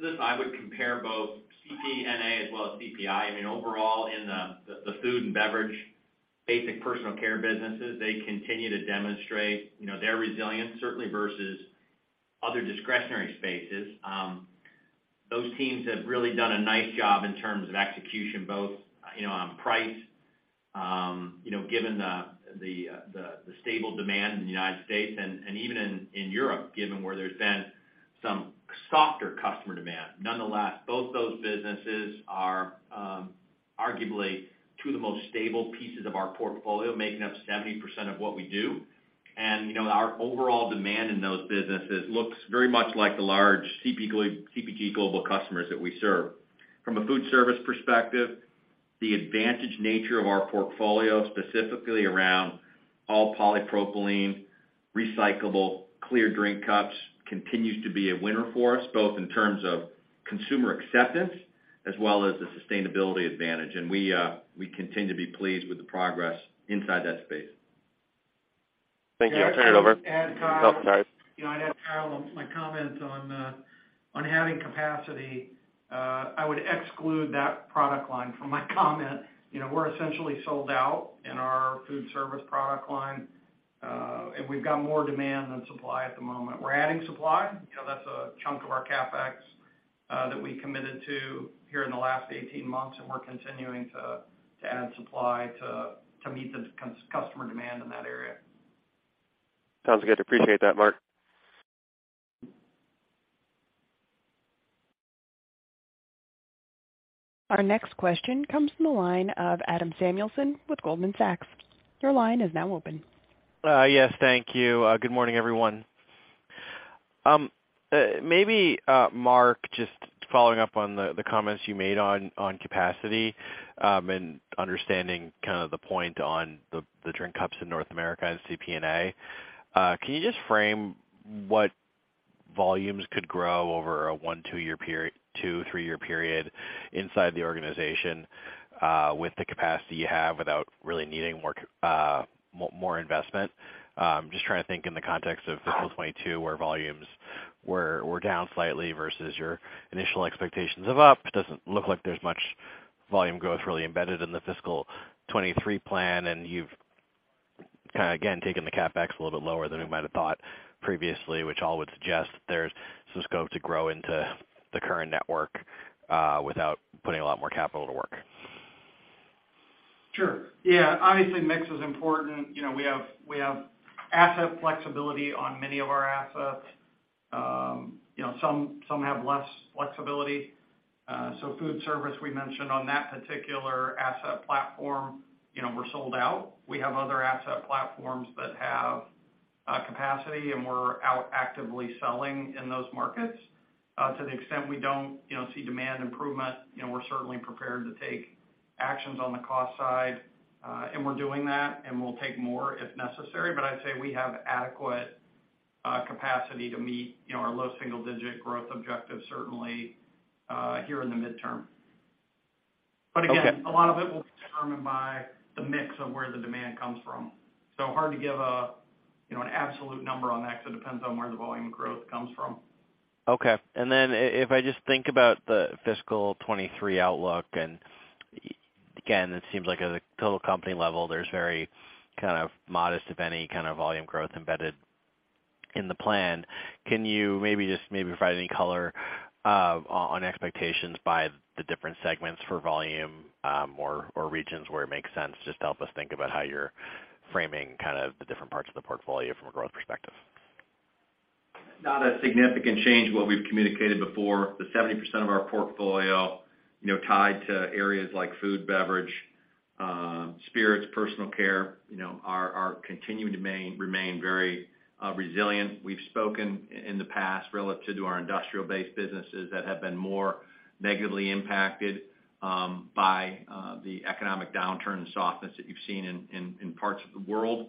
Listen, I would compare both CPNA as well as CPI. I mean, overall in the food and beverage, basic personal care businesses, they continue to demonstrate, you know, their resilience, certainly versus other discretionary spaces. Those teams have really done a nice job in terms of execution, both, you know, on price. You know, given the stable demand in the United States and even in Europe, given where there's been some softer customer demand. Nonetheless, both those businesses are arguably two of the most stable pieces of our portfolio, making up 70% of what we do. You know, our overall demand in those businesses looks very much like the large CPG global customers that we serve. From a food service perspective, the advantage nature of our portfolio, specifically around all polypropylene, recyclable, clear drink cups, continues to be a winner for us, both in terms of consumer acceptance as well as the sustainability advantage. We continue to be pleased with the progress inside that space. Thank you. I'll turn it over. Yeah, I'd add, Kyle. Oh, sorry. You know, I'd add, Kyle, my comments on having capacity, I would exclude that product line from my comment. You know, we're essentially sold out in our food service product line, and we've got more demand than supply at the moment. We're adding supply. You know, that's a chunk of our CapEx that we committed to here in the last 18 months, and we're continuing to add supply to meet the customer demand in that area. Sounds good. Appreciate that, Mark. Our next question comes from the line of Adam Samuelson with Goldman Sachs. Your line is now open. Yes, thank you. Good morning, everyone. Maybe, Mark, just following up on the comments you made on capacity, and understanding kind of the point on the drink cups in North America and CPNA. Can you just frame what volumes could grow over a one-two year period, two-three year period inside the organization, with the capacity you have without really needing more investment? Just trying to think in the context of fiscal 2022, where volumes were down slightly versus your initial expectations of up. It doesn't look like there's much volume growth really embedded in the fiscal 2023 plan. You've kind of, again, taken the CapEx a little bit lower than we might have thought previously, which all would suggest there's some scope to grow into the current network without putting a lot more capital to work. Sure. Yeah. Obviously, mix is important. You know, we have asset flexibility on many of our assets. You know, some have less flexibility. So food service, we mentioned on that particular asset platform, you know, we're sold out. We have other asset platforms that have capacity, and we're out actively selling in those markets. To the extent we don't, you know, see demand improvement, you know, we're certainly prepared to take actions on the cost side, and we're doing that, and we'll take more if necessary. But I'd say we have adequate capacity to meet, you know, our low single digit growth objective, certainly, here in the midterm. Okay. Again, a lot of it will be determined by the mix of where the demand comes from. Hard to give, you know, an absolute number on that because it depends on where the volume growth comes from. Okay. If I just think about the fiscal 2023 outlook, and, again, it seems like at a total company level, there's very kind of modest, if any, kind of volume growth embedded in the plan. Can you maybe just provide any color on expectations by the different segments for volume, or regions where it makes sense, just to help us think about how you're framing kind of the different parts of the portfolio from a growth perspective? Not a significant change what we've communicated before. The 70% of our portfolio, you know, tied to areas like food, beverage, spirits, personal care, you know, are continuing to remain very resilient. We've spoken in the past relative to our industrial-based businesses that have been more negatively impacted by the economic downturn and softness that you've seen in parts of the world.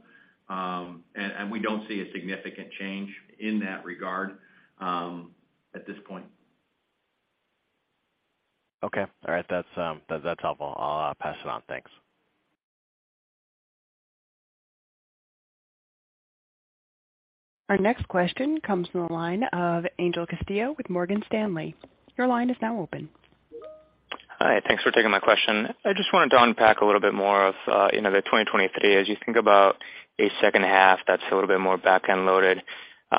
We don't see a significant change in that regard at this point. Okay. All right. That's helpful. I'll pass it on. Thanks. Our next question comes from the line of Angel Castillo with Morgan Stanley. Your line is now open. Hi, thanks for taking my question. I just wanted to unpack a little bit more of, you know, the 2023. As you think about a H2 that's a little bit more back-end loaded,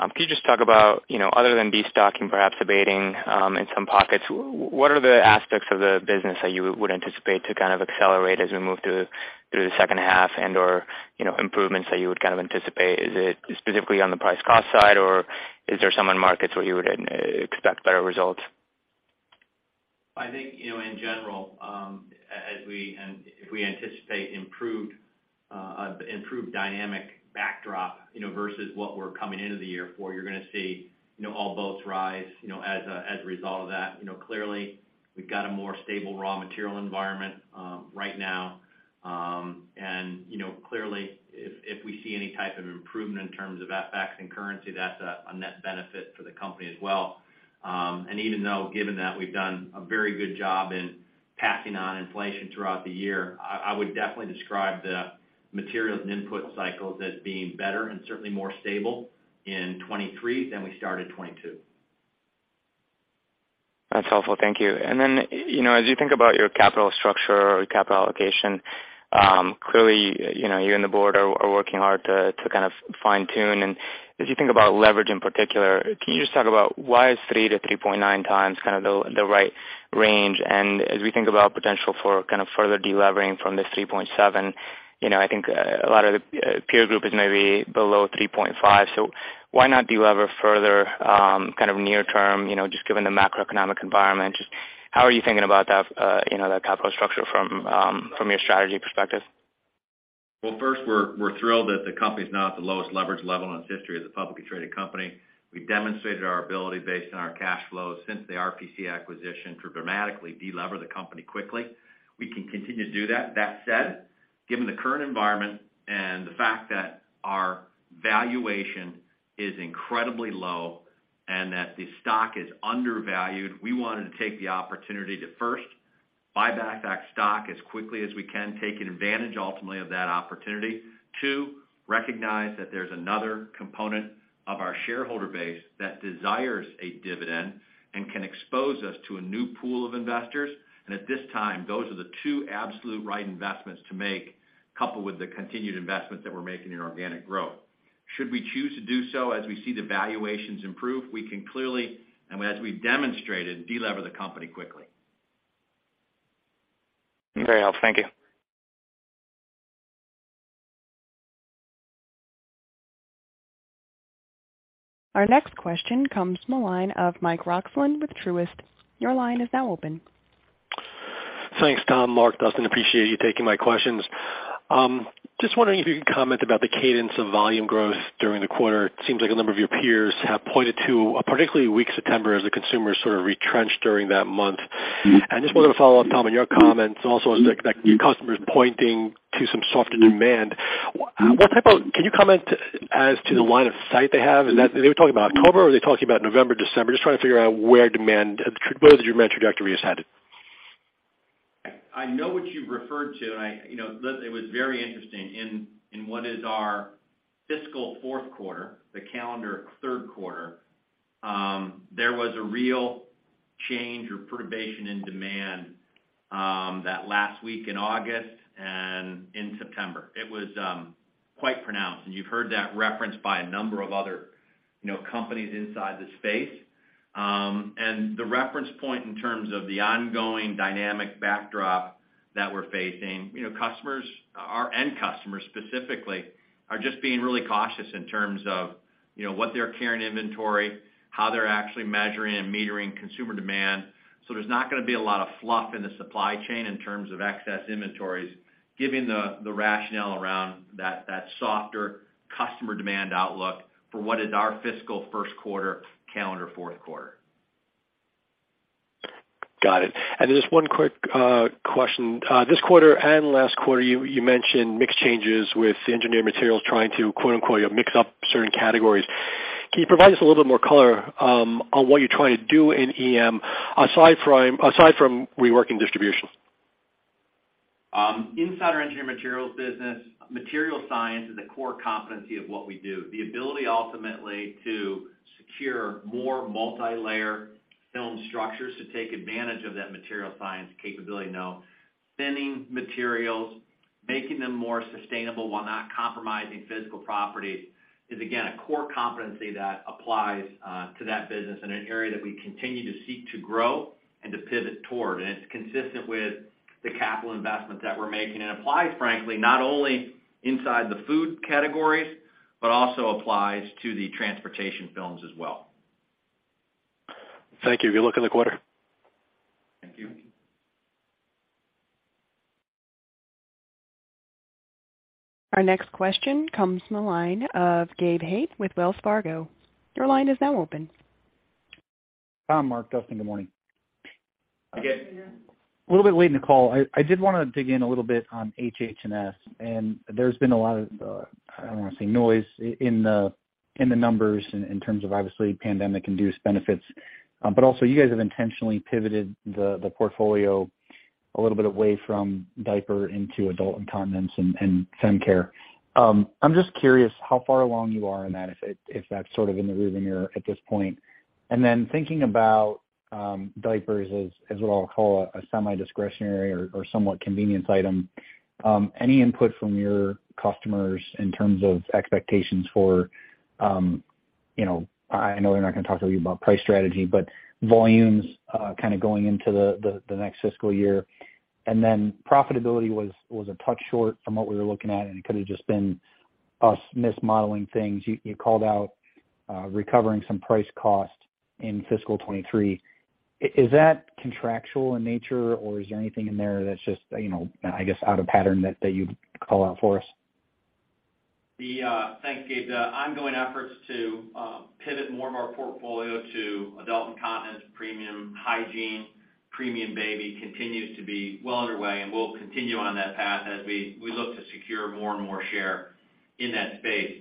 can you just talk about, you know, other than destocking, perhaps abating, in some pockets, what are the aspects of the business that you would anticipate to kind of accelerate as we move through the H2 and/or, you know, improvements that you would kind of anticipate? Is it specifically on the price cost side, or is there some end markets where you would expect better results? I think, you know, in general, if we anticipate improved dynamic backdrop, you know, versus what we're coming into the year for, you're gonna see, you know, all boats rise, you know, as a result of that. You know, clearly, we've got a more stable raw material environment right now. You know, clearly, if we see any type of improvement in terms of FX and currency, that's a net benefit for the company as well. Even though, given that we've done a very good job in passing on inflation throughout the year, I would definitely describe the materials and input cycles as being better and certainly more stable in 2023 than we started 2022. That's helpful. Thank you. You know, as you think about your capital structure or capital allocation, clearly, you know, you and the board are working hard to kind of fine-tune. As you think about leverage in particular, can you just talk about why is 3-3.9x kind of the right range? As we think about potential for kind of further delivering from this 3.7, you know, I think a lot of the peer group is maybe below 3.5. Why not deliver further, kind of near term, you know, just given the macroeconomic environment? Just how are you thinking about that, you know, that capital structure from your strategy perspective? Well, first, we're thrilled that the company is now at the lowest leverage level in its history as a publicly traded company. We demonstrated our ability based on our cash flows since the RPC acquisition to dramatically deliver the company quickly. We can continue to do that. That said, given the current environment and the fact that our valuation is incredibly low and that the stock is undervalued, we wanted to take the opportunity to, first, buy back that stock as quickly as we can, taking advantage ultimately of that opportunity. Two, recognize that there's another component of our shareholder base that desires a dividend and can expose us to a new pool of investors. At this time, those are the two absolute right investments to make, coupled with the continued investment that we're making in organic growth. Should we choose to do so as we see the valuations improve, we can clearly, and as we've demonstrated, deliver the company quickly. Very helpful. Thank you. Our next question comes from the line of Mike Roxland with Truist. Your line is now open. Thanks, Tom, Mark, Dustin. Appreciate you taking my questions. Just wondering if you could comment about the cadence of volume growth during the quarter. It seems like a number of your peers have pointed to a particularly weak September as the consumer sort of retrenched during that month. I just wanted to follow up, Tom, on your comments also as to customers pointing to some softer demand. Can you comment as to the line of sight they have? Are they talking about October, or are they talking about November, December? Just trying to figure out where the demand trajectory is headed. I know what you referred to, and you know, it was very interesting in what is our fiscal fourth quarter, the calendar third quarter, there was a real change or perturbation in demand that last week in August and in September. It was quite pronounced, and you've heard that referenced by a number of other companies inside the space. The reference point in terms of the ongoing dynamic backdrop that we're facing, you know, customers, our end customers specifically, are just being really cautious in terms of what they're carrying inventory, how they're actually measuring and metering consumer demand. There's not gonna be a lot of fluff in the supply chain in terms of excess inventories, given the rationale around that softer customer demand outlook for what is our fiscal first quarter, calendar fourth quarter. Got it. Just one quick question. This quarter and last quarter, you mentioned mix changes with Engineered Materials trying to quote-unquote, "mix up certain categories." Can you provide us a little bit more color on what you're trying to do in EM aside from reworking distribution? Inside our Engineered Materials business, materials science is a core competency of what we do. The ability ultimately to secure more multilayer film structures to take advantage of that materials science capability. Now, blending materials, making them more sustainable while not compromising physical properties is again a core competency that applies to that business in an area that we continue to seek to grow and to pivot toward. It's consistent with the capital investments that we're making. It applies, frankly, not only inside the food categories, but also to the transportation films as well. Thank you. Good luck in the quarter. Thank you. Our next question comes from the line of Gabe Hajde with Wells Fargo. Your line is now open. Tom, Mark, Dustin, Good morning. Again. A little bit late in the call. I did wanna dig in a little bit on HH&S, and there's been a lot of, I don't wanna say noise in the numbers in terms of obviously pandemic-induced benefits. But also you guys have intentionally pivoted the portfolio a little bit away from diaper into adult incontinence and fem care. I'm just curious how far along you are in that if that's sort of in the rearview mirror at this point. Thinking about diapers as what I'll call a semi-discretionary or somewhat convenience item, any input from your customers in terms of expectations for, you know, I know they're not gonna talk to you about price strategy, but volumes kind of going into the next fiscal year. Profitability was a touch short from what we were looking at, and it could have just been us mismodeling things. You called out recovering some price cost in fiscal 2023. Is that contractual in nature, or is there anything in there that's just, you know, I guess, out of pattern that you'd call out for us? Thanks, Gabe. The ongoing efforts to pivot more of our portfolio to adult incontinence, premium hygiene, premium baby continues to be well underway, and we'll continue on that path as we look to secure more and more share in that space.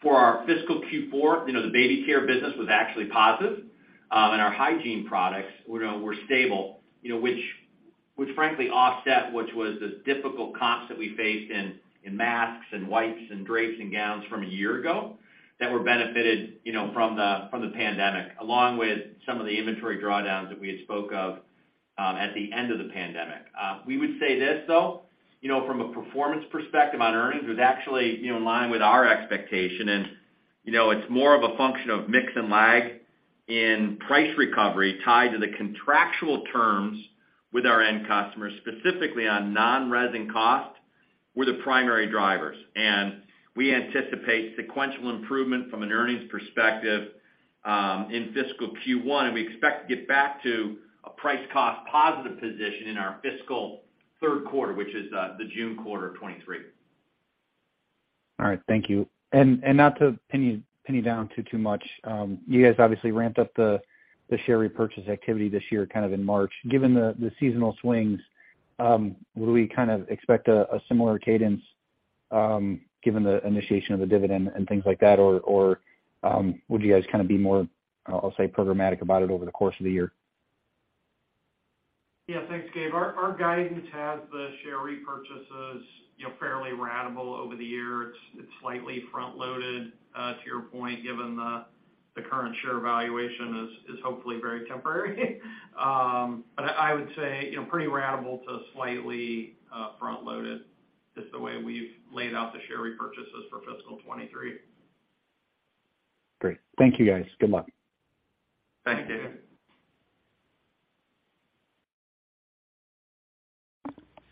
For our fiscal Q4, you know, the baby care business was actually positive, and our hygiene products were stable, you know, which frankly offset what was the difficult comps that we faced in masks and wipes and drapes and gowns from a year ago that were benefited, you know, from the pandemic, along with some of the inventory drawdowns that we had spoke of at the end of the pandemic. We would say this though, you know, from a performance perspective on earnings, it was actually, you know, in line with our expectation. You know, it's more of a function of mix and lag in price recovery tied to the contractual terms with our end customers, specifically on non-res and cost were the primary drivers. We anticipate sequential improvement from an earnings perspective in fiscal Q1, and we expect to get back to a price cost positive position in our fiscal third quarter, which is the June quarter of 2023. All right. Thank you. Not to pin you down to too much, you guys obviously ramped up the share repurchase activity this year, kind of in March. Given the seasonal swings, would we kind of expect a similar cadence, given the initiation of the dividend and things like that? Would you guys kind of be more, I'll say, programmatic about it over the course of the year? Yeah. Thanks, Gabe. Our guidance has the share repurchases, you know, fairly ratable over the year. It's slightly front loaded to your point, given the current share valuation is hopefully very temporary. But I would say, you know, pretty ratable to slightly front loaded is the way we've laid out the share repurchases for fiscal 2023. Great. Thank you guys. Good luck. Thank you.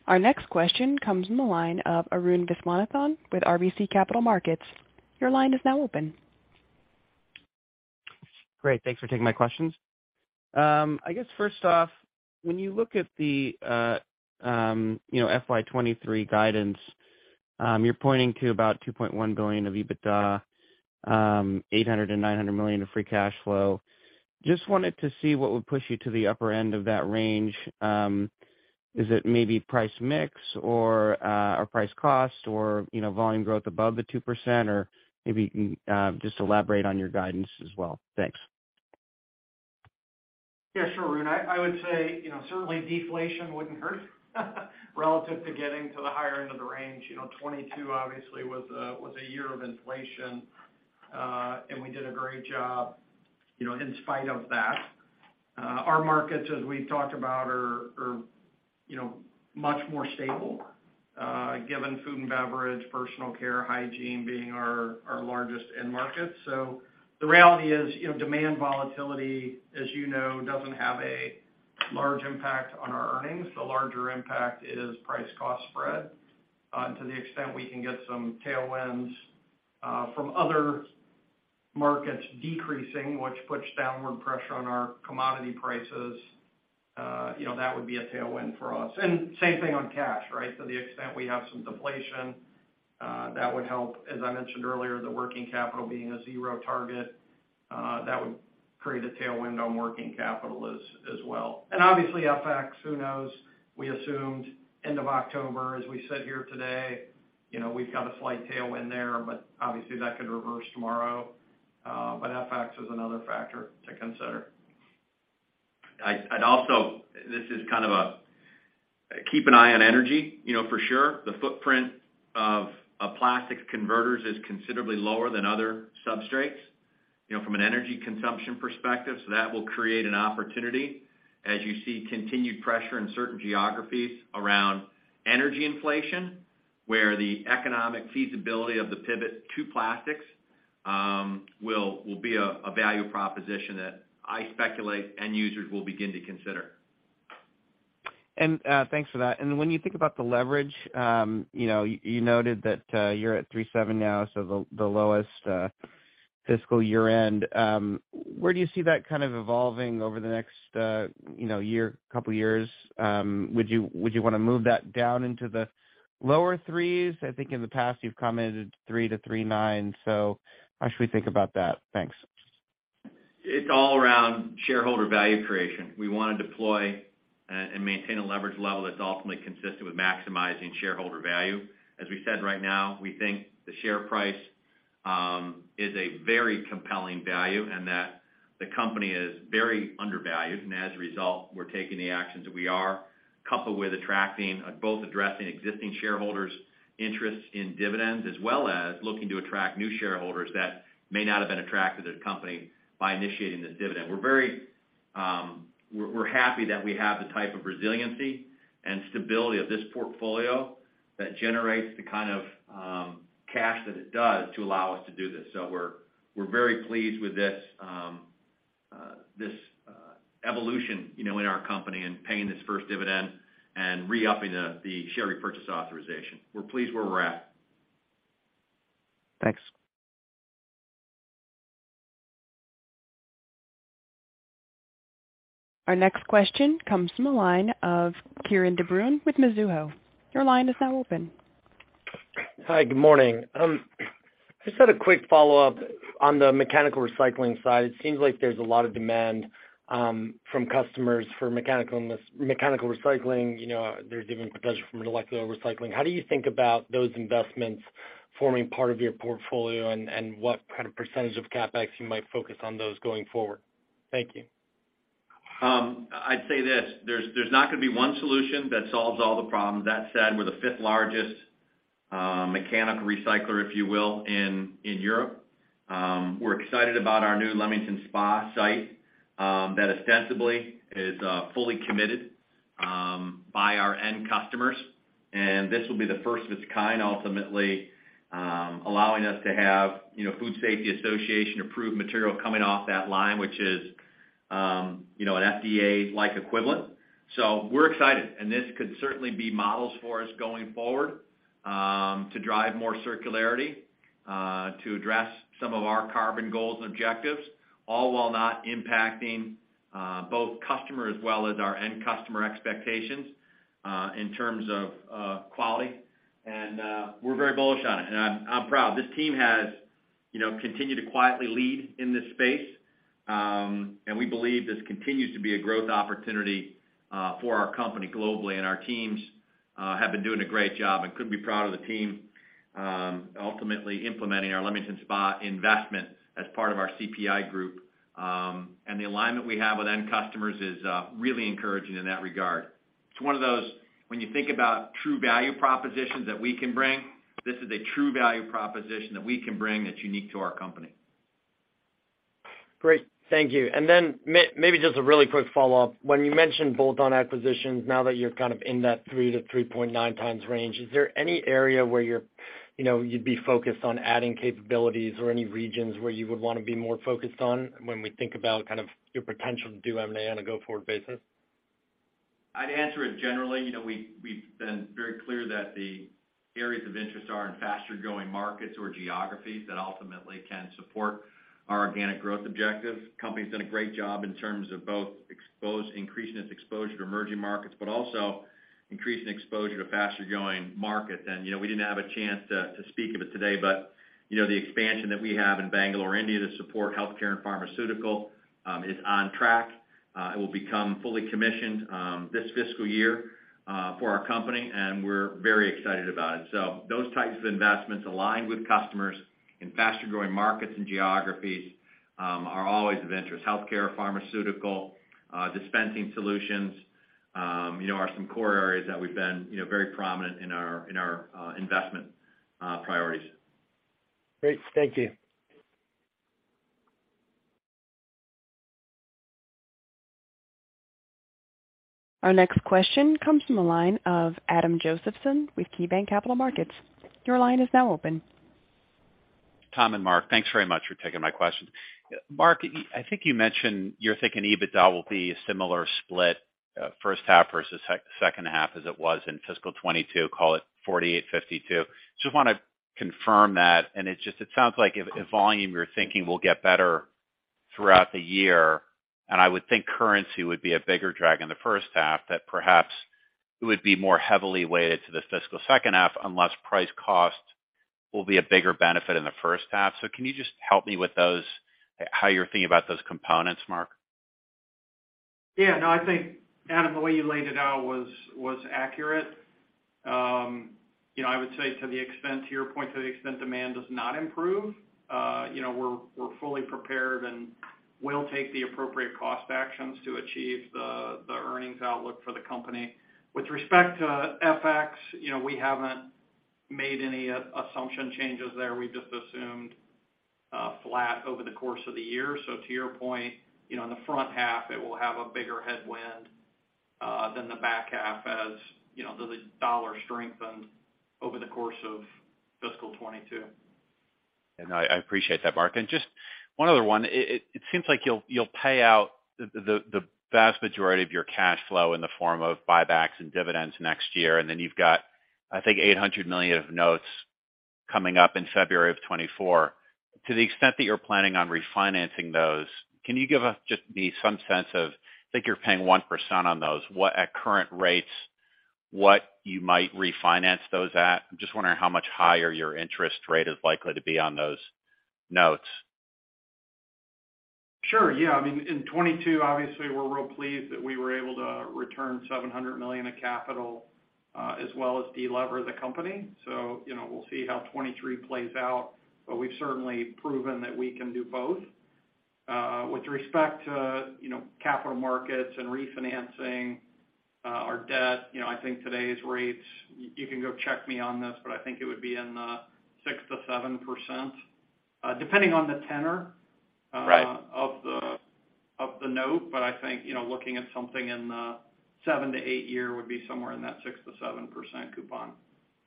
Our next question comes from the line of Arun Viswanathan with RBC Capital Markets. Your line is now open. Great. Thanks for taking my questions. I guess first off, when you look at the, you know, FY23 guidance, you're pointing to about $2.1 billion of EBITDA, $800 million-$900 million of free cash flow. Just wanted to see what would push you to the upper end of that range. Is it maybe price mix or price cost or, you know, volume growth above the 2%? Or maybe you can just elaborate on your guidance as well. Thanks. Yeah, sure, Arun. I would say, you know, certainly deflation wouldn't hurt relative to getting to the higher end of the range. You know, 2022 obviously was a year of inflation, and we did a great job, you know, in spite of that. Our markets, as we talked about are, you know, much more stable, given food and beverage, personal care, hygiene being our largest end markets. So the reality is, you know, demand volatility, as you know, doesn't have a large impact on our earnings. The larger impact is price cost spread. To the extent we can get some tailwinds from other markets decreasing, which puts downward pressure on our commodity prices, you know, that would be a tailwind for us. Same thing on cash, right? To the extent we have some deflation, that would help. As I mentioned earlier, the working capital being a zero target, that would create a tailwind on working capital as well. Obviously FX, who knows? We assumed end of October, as we sit here today, you know, we've got a slight tailwind there, but obviously that could reverse tomorrow. FX is another factor to consider. I'd also. This is kind of a keep an eye on energy, you know, for sure. The footprint of plastics converters is considerably lower than other substrates, you know, from an energy consumption perspective. That will create an opportunity as you see continued pressure in certain geographies around energy inflation, where the economic feasibility of the pivot to plastics will be a value proposition that I speculate end users will begin to consider. Thanks for that. When you think about the leverage, you know, you noted that you're at 3.7 now, so the lowest fiscal year-end. Where do you see that kind of evolving over the next, you know, year, couple years? Would you wanna move that down into the lower threes? I think in the past you've commented 3-3.9. So how should we think about that? Thanks. It's all around shareholder value creation. We wanna deploy and maintain a leverage level that's ultimately consistent with maximizing shareholder value. As we said right now, we think the share price is a very compelling value and that the company is very undervalued. As a result, we're taking the actions that we are, coupled with attracting, both addressing existing shareholders' interests in dividends, as well as looking to attract new shareholders that may not have been attracted to the company by initiating this dividend. We're happy that we have the type of resiliency and stability of this portfolio that generates the kind of cash that it does to allow us to do this. We're very pleased with this evolution, you know, in our company and paying this first dividend and re-upping the share repurchase authorization. We're pleased where we're at. Thanks. Our next question comes from the line of Kieran de Brun with Mizuho. Your line is now open. Hi. Good morning. Just had a quick follow-up on the mechanical recycling side. It seems like there's a lot of demand from customers for mechanical recycling. You know, there's even potential for molecular recycling. How do you think about those investments forming part of your portfolio and what kind of percentage of CapEx you might focus on those going forward? Thank you. I'd say this, there's not gonna be one solution that solves all the problems. That said, we're the fifth largest mechanical recycler, if you will, in Europe. We're excited about our new Leamington Spa site that ostensibly is fully committed by our end customers. This will be the first of its kind ultimately, allowing us to have, you know, EFSA-approved material coming off that line, which is, you know, an FDA-like equivalent. We're excited, and this could certainly be models for us going forward to drive more circularity to address some of our carbon goals and objectives, all while not impacting both customer as well as our end customer expectations in terms of quality. We're very bullish on it, and I'm proud. This team has, you know, continued to quietly lead in this space. We believe this continues to be a growth opportunity for our company globally, and our teams have been doing a great job and couldn't be prouder of the team, ultimately implementing our Leamington Spa investment as part of our CPI group. The alignment we have with end customers is really encouraging in that regard. It's one of those when you think about true value propositions that we can bring, this is a true value proposition that we can bring that's unique to our company. Great. Thank you. Maybe just a really quick follow-up. When you mentioned bolt-on acquisitions, now that you're kind of in that 3-3.9x range, is there any area where you're, you know, you'd be focused on adding capabilities or any regions where you would wanna be more focused on when we think about kind of your potential to do M&A on a go-forward basis? I'd answer it generally. You know, we've been very clear that the areas of interest are in faster-growing markets or geographies that ultimately can support our organic growth objectives. Company's done a great job in terms of both increasing its exposure to emerging markets, but also increasing exposure to faster-growing markets. You know, we didn't have a chance to speak of it today, but, you know, the expansion that we have in Bangalore, India to support healthcare and pharmaceutical is on track. It will become fully commissioned this fiscal year for our company, and we're very excited about it. Those types of investments aligned with customers in faster-growing markets and geographies are always of interest. Healthcare, pharmaceutical, dispensing solutions, you know, are some core areas that we've been, you know, very prominent in our investment priorities. Great. Thank you. Our next question comes from the line of Adam Josephson with KeyBanc Capital Markets. Your line is now open. Tom and Mark, thanks very much for taking my questions. Mark, I think you mentioned you're thinking EBITDA will be a similar split, H1 versus H2 as it was in fiscal 2022, call it 48-52. Just wanna confirm that, and it sounds like if volume you're thinking will get better throughout the year, and I would think currency would be a bigger drag in the H1, that perhaps it would be more heavily weighted to the fiscal H2 unless price cost will be a bigger benefit in the first half. Can you just help me with those, how you're thinking about those components, Mark? Yeah. No, I think, Adam, the way you laid it out was accurate. You know, I would say to the extent, to your point, to the extent demand does not improve, you know, we're fully prepared and will take the appropriate cost actions to achieve the earnings outlook for the company. With respect to FX, you know, we haven't made any assumption changes there. We've just assumed flat over the course of the year. To your point, you know, in the front half, it will have a bigger headwind than the back half as you know, the dollar strengthened over the course of fiscal 2022. I appreciate that, Mark. Just one other one. It seems like you'll pay out the vast majority of your cash flow in the form of buybacks and dividends next year. Then you've got, I think, $800 million of notes coming up in February of 2024. To the extent that you're planning on refinancing those, can you give just me some sense of, I think you're paying 1% on those, at current rates, what you might refinance those at? I'm just wondering how much higher your interest rate is likely to be on those notes. Sure. Yeah. I mean, in 2022, obviously we're real pleased that we were able to return $700 million of capital, as well as de-lever the company. You know, we'll see how 2023 plays out, but we've certainly proven that we can do both. With respect to, you know, capital markets and refinancing, our debt, you know, I think today's rates, you can go check me on this, but I think it would be in the 6%-7%, depending on the tenor. Right of the note. I think, you know, looking at something in the seven to eight year would be somewhere in that 6%-7% coupon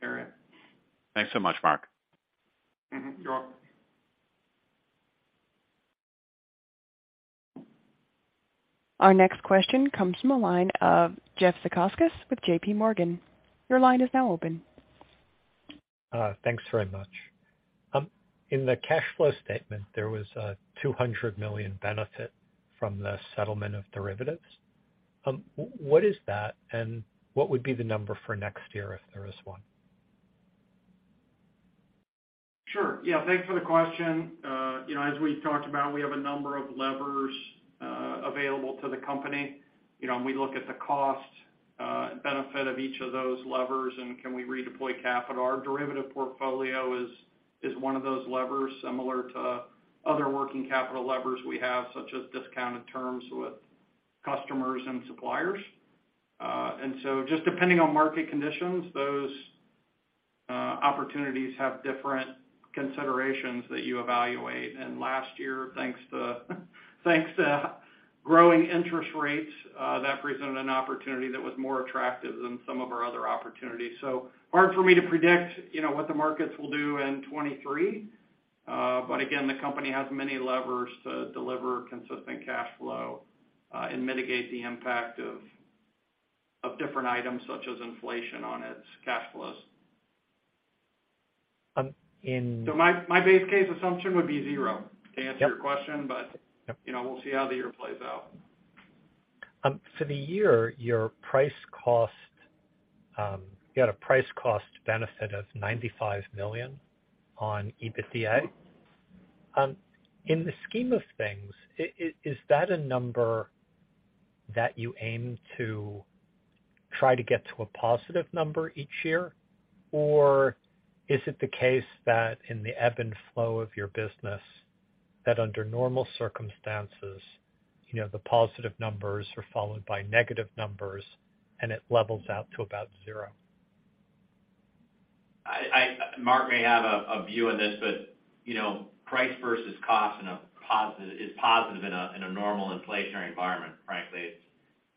area. Thanks so much, Mark. Mm-hmm. You're welcome. Our next question comes from the line of Jeff Zekauskas with JPMorgan. Your line is now open. Thanks very much. In the cash flow statement, there was a $200 million benefit from the settlement of derivatives. What is that, and what would be the number for next year if there is one? Sure. Yeah. Thanks for the question. You know, as we've talked about, we have a number of levers available to the company. You know, we look at the cost, benefit of each of those levers and can we redeploy capital. Our derivative portfolio is one of those levers similar to other working capital levers we have, such as discounted terms with customers and suppliers. Just depending on market conditions, those opportunities have different considerations that you evaluate. Last year, thanks to growing interest rates, that presented an opportunity that was more attractive than some of our other opportunities. Hard for me to predict, you know, what the markets will do in 2023. Again, the company has many levers to deliver consistent cash flow, and mitigate the impact of different items such as inflation on its cash flows. Um, in My base case assumption would be zero to answer your question. Yep. You know, we'll see how the year plays out. For the year, you had a price cost benefit of $95 million on EBITDA. In the scheme of things, is that a number that you aim to try to get to a positive number each year? Or is it the case that in the ebb and flow of your business, that under normal circumstances, you know, the positive numbers are followed by negative numbers and it levels out to about zero? Mark may have a view on this, but you know, price versus cost is positive in a normal inflationary environment, frankly.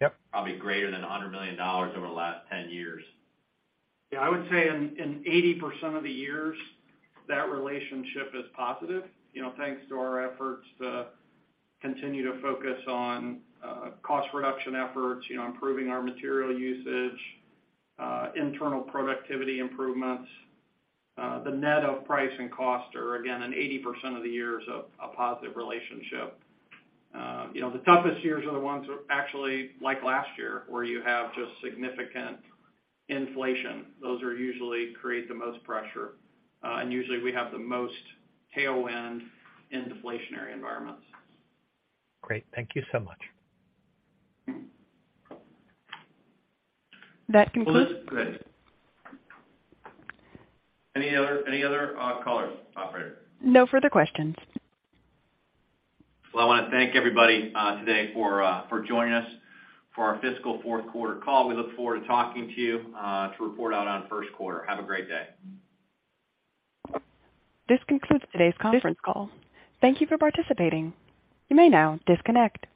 Yep. It's probably greater than $100 million over the last 10 years. Yeah, I would say in 80% of the years, that relationship is positive, you know, thanks to our efforts to continue to focus on cost reduction efforts, you know, improving our material usage, internal productivity improvements. The net of price and cost are, again, in 80% of the years a positive relationship. You know, the toughest years are the ones, actually like last year, where you have just significant inflation. Those are usually create the most pressure. Usually we have the most tailwind in deflationary environments. Great. Thank you so much. That concludes. Go ahead. Any other callers, operator? No further questions. Well, I wanna thank everybody today for joining us for our fiscal fourth quarter call. We look forward to talking to you to report out on first quarter. Have a great day. This concludes today's conference call. Thank you for participating. You may now disconnect.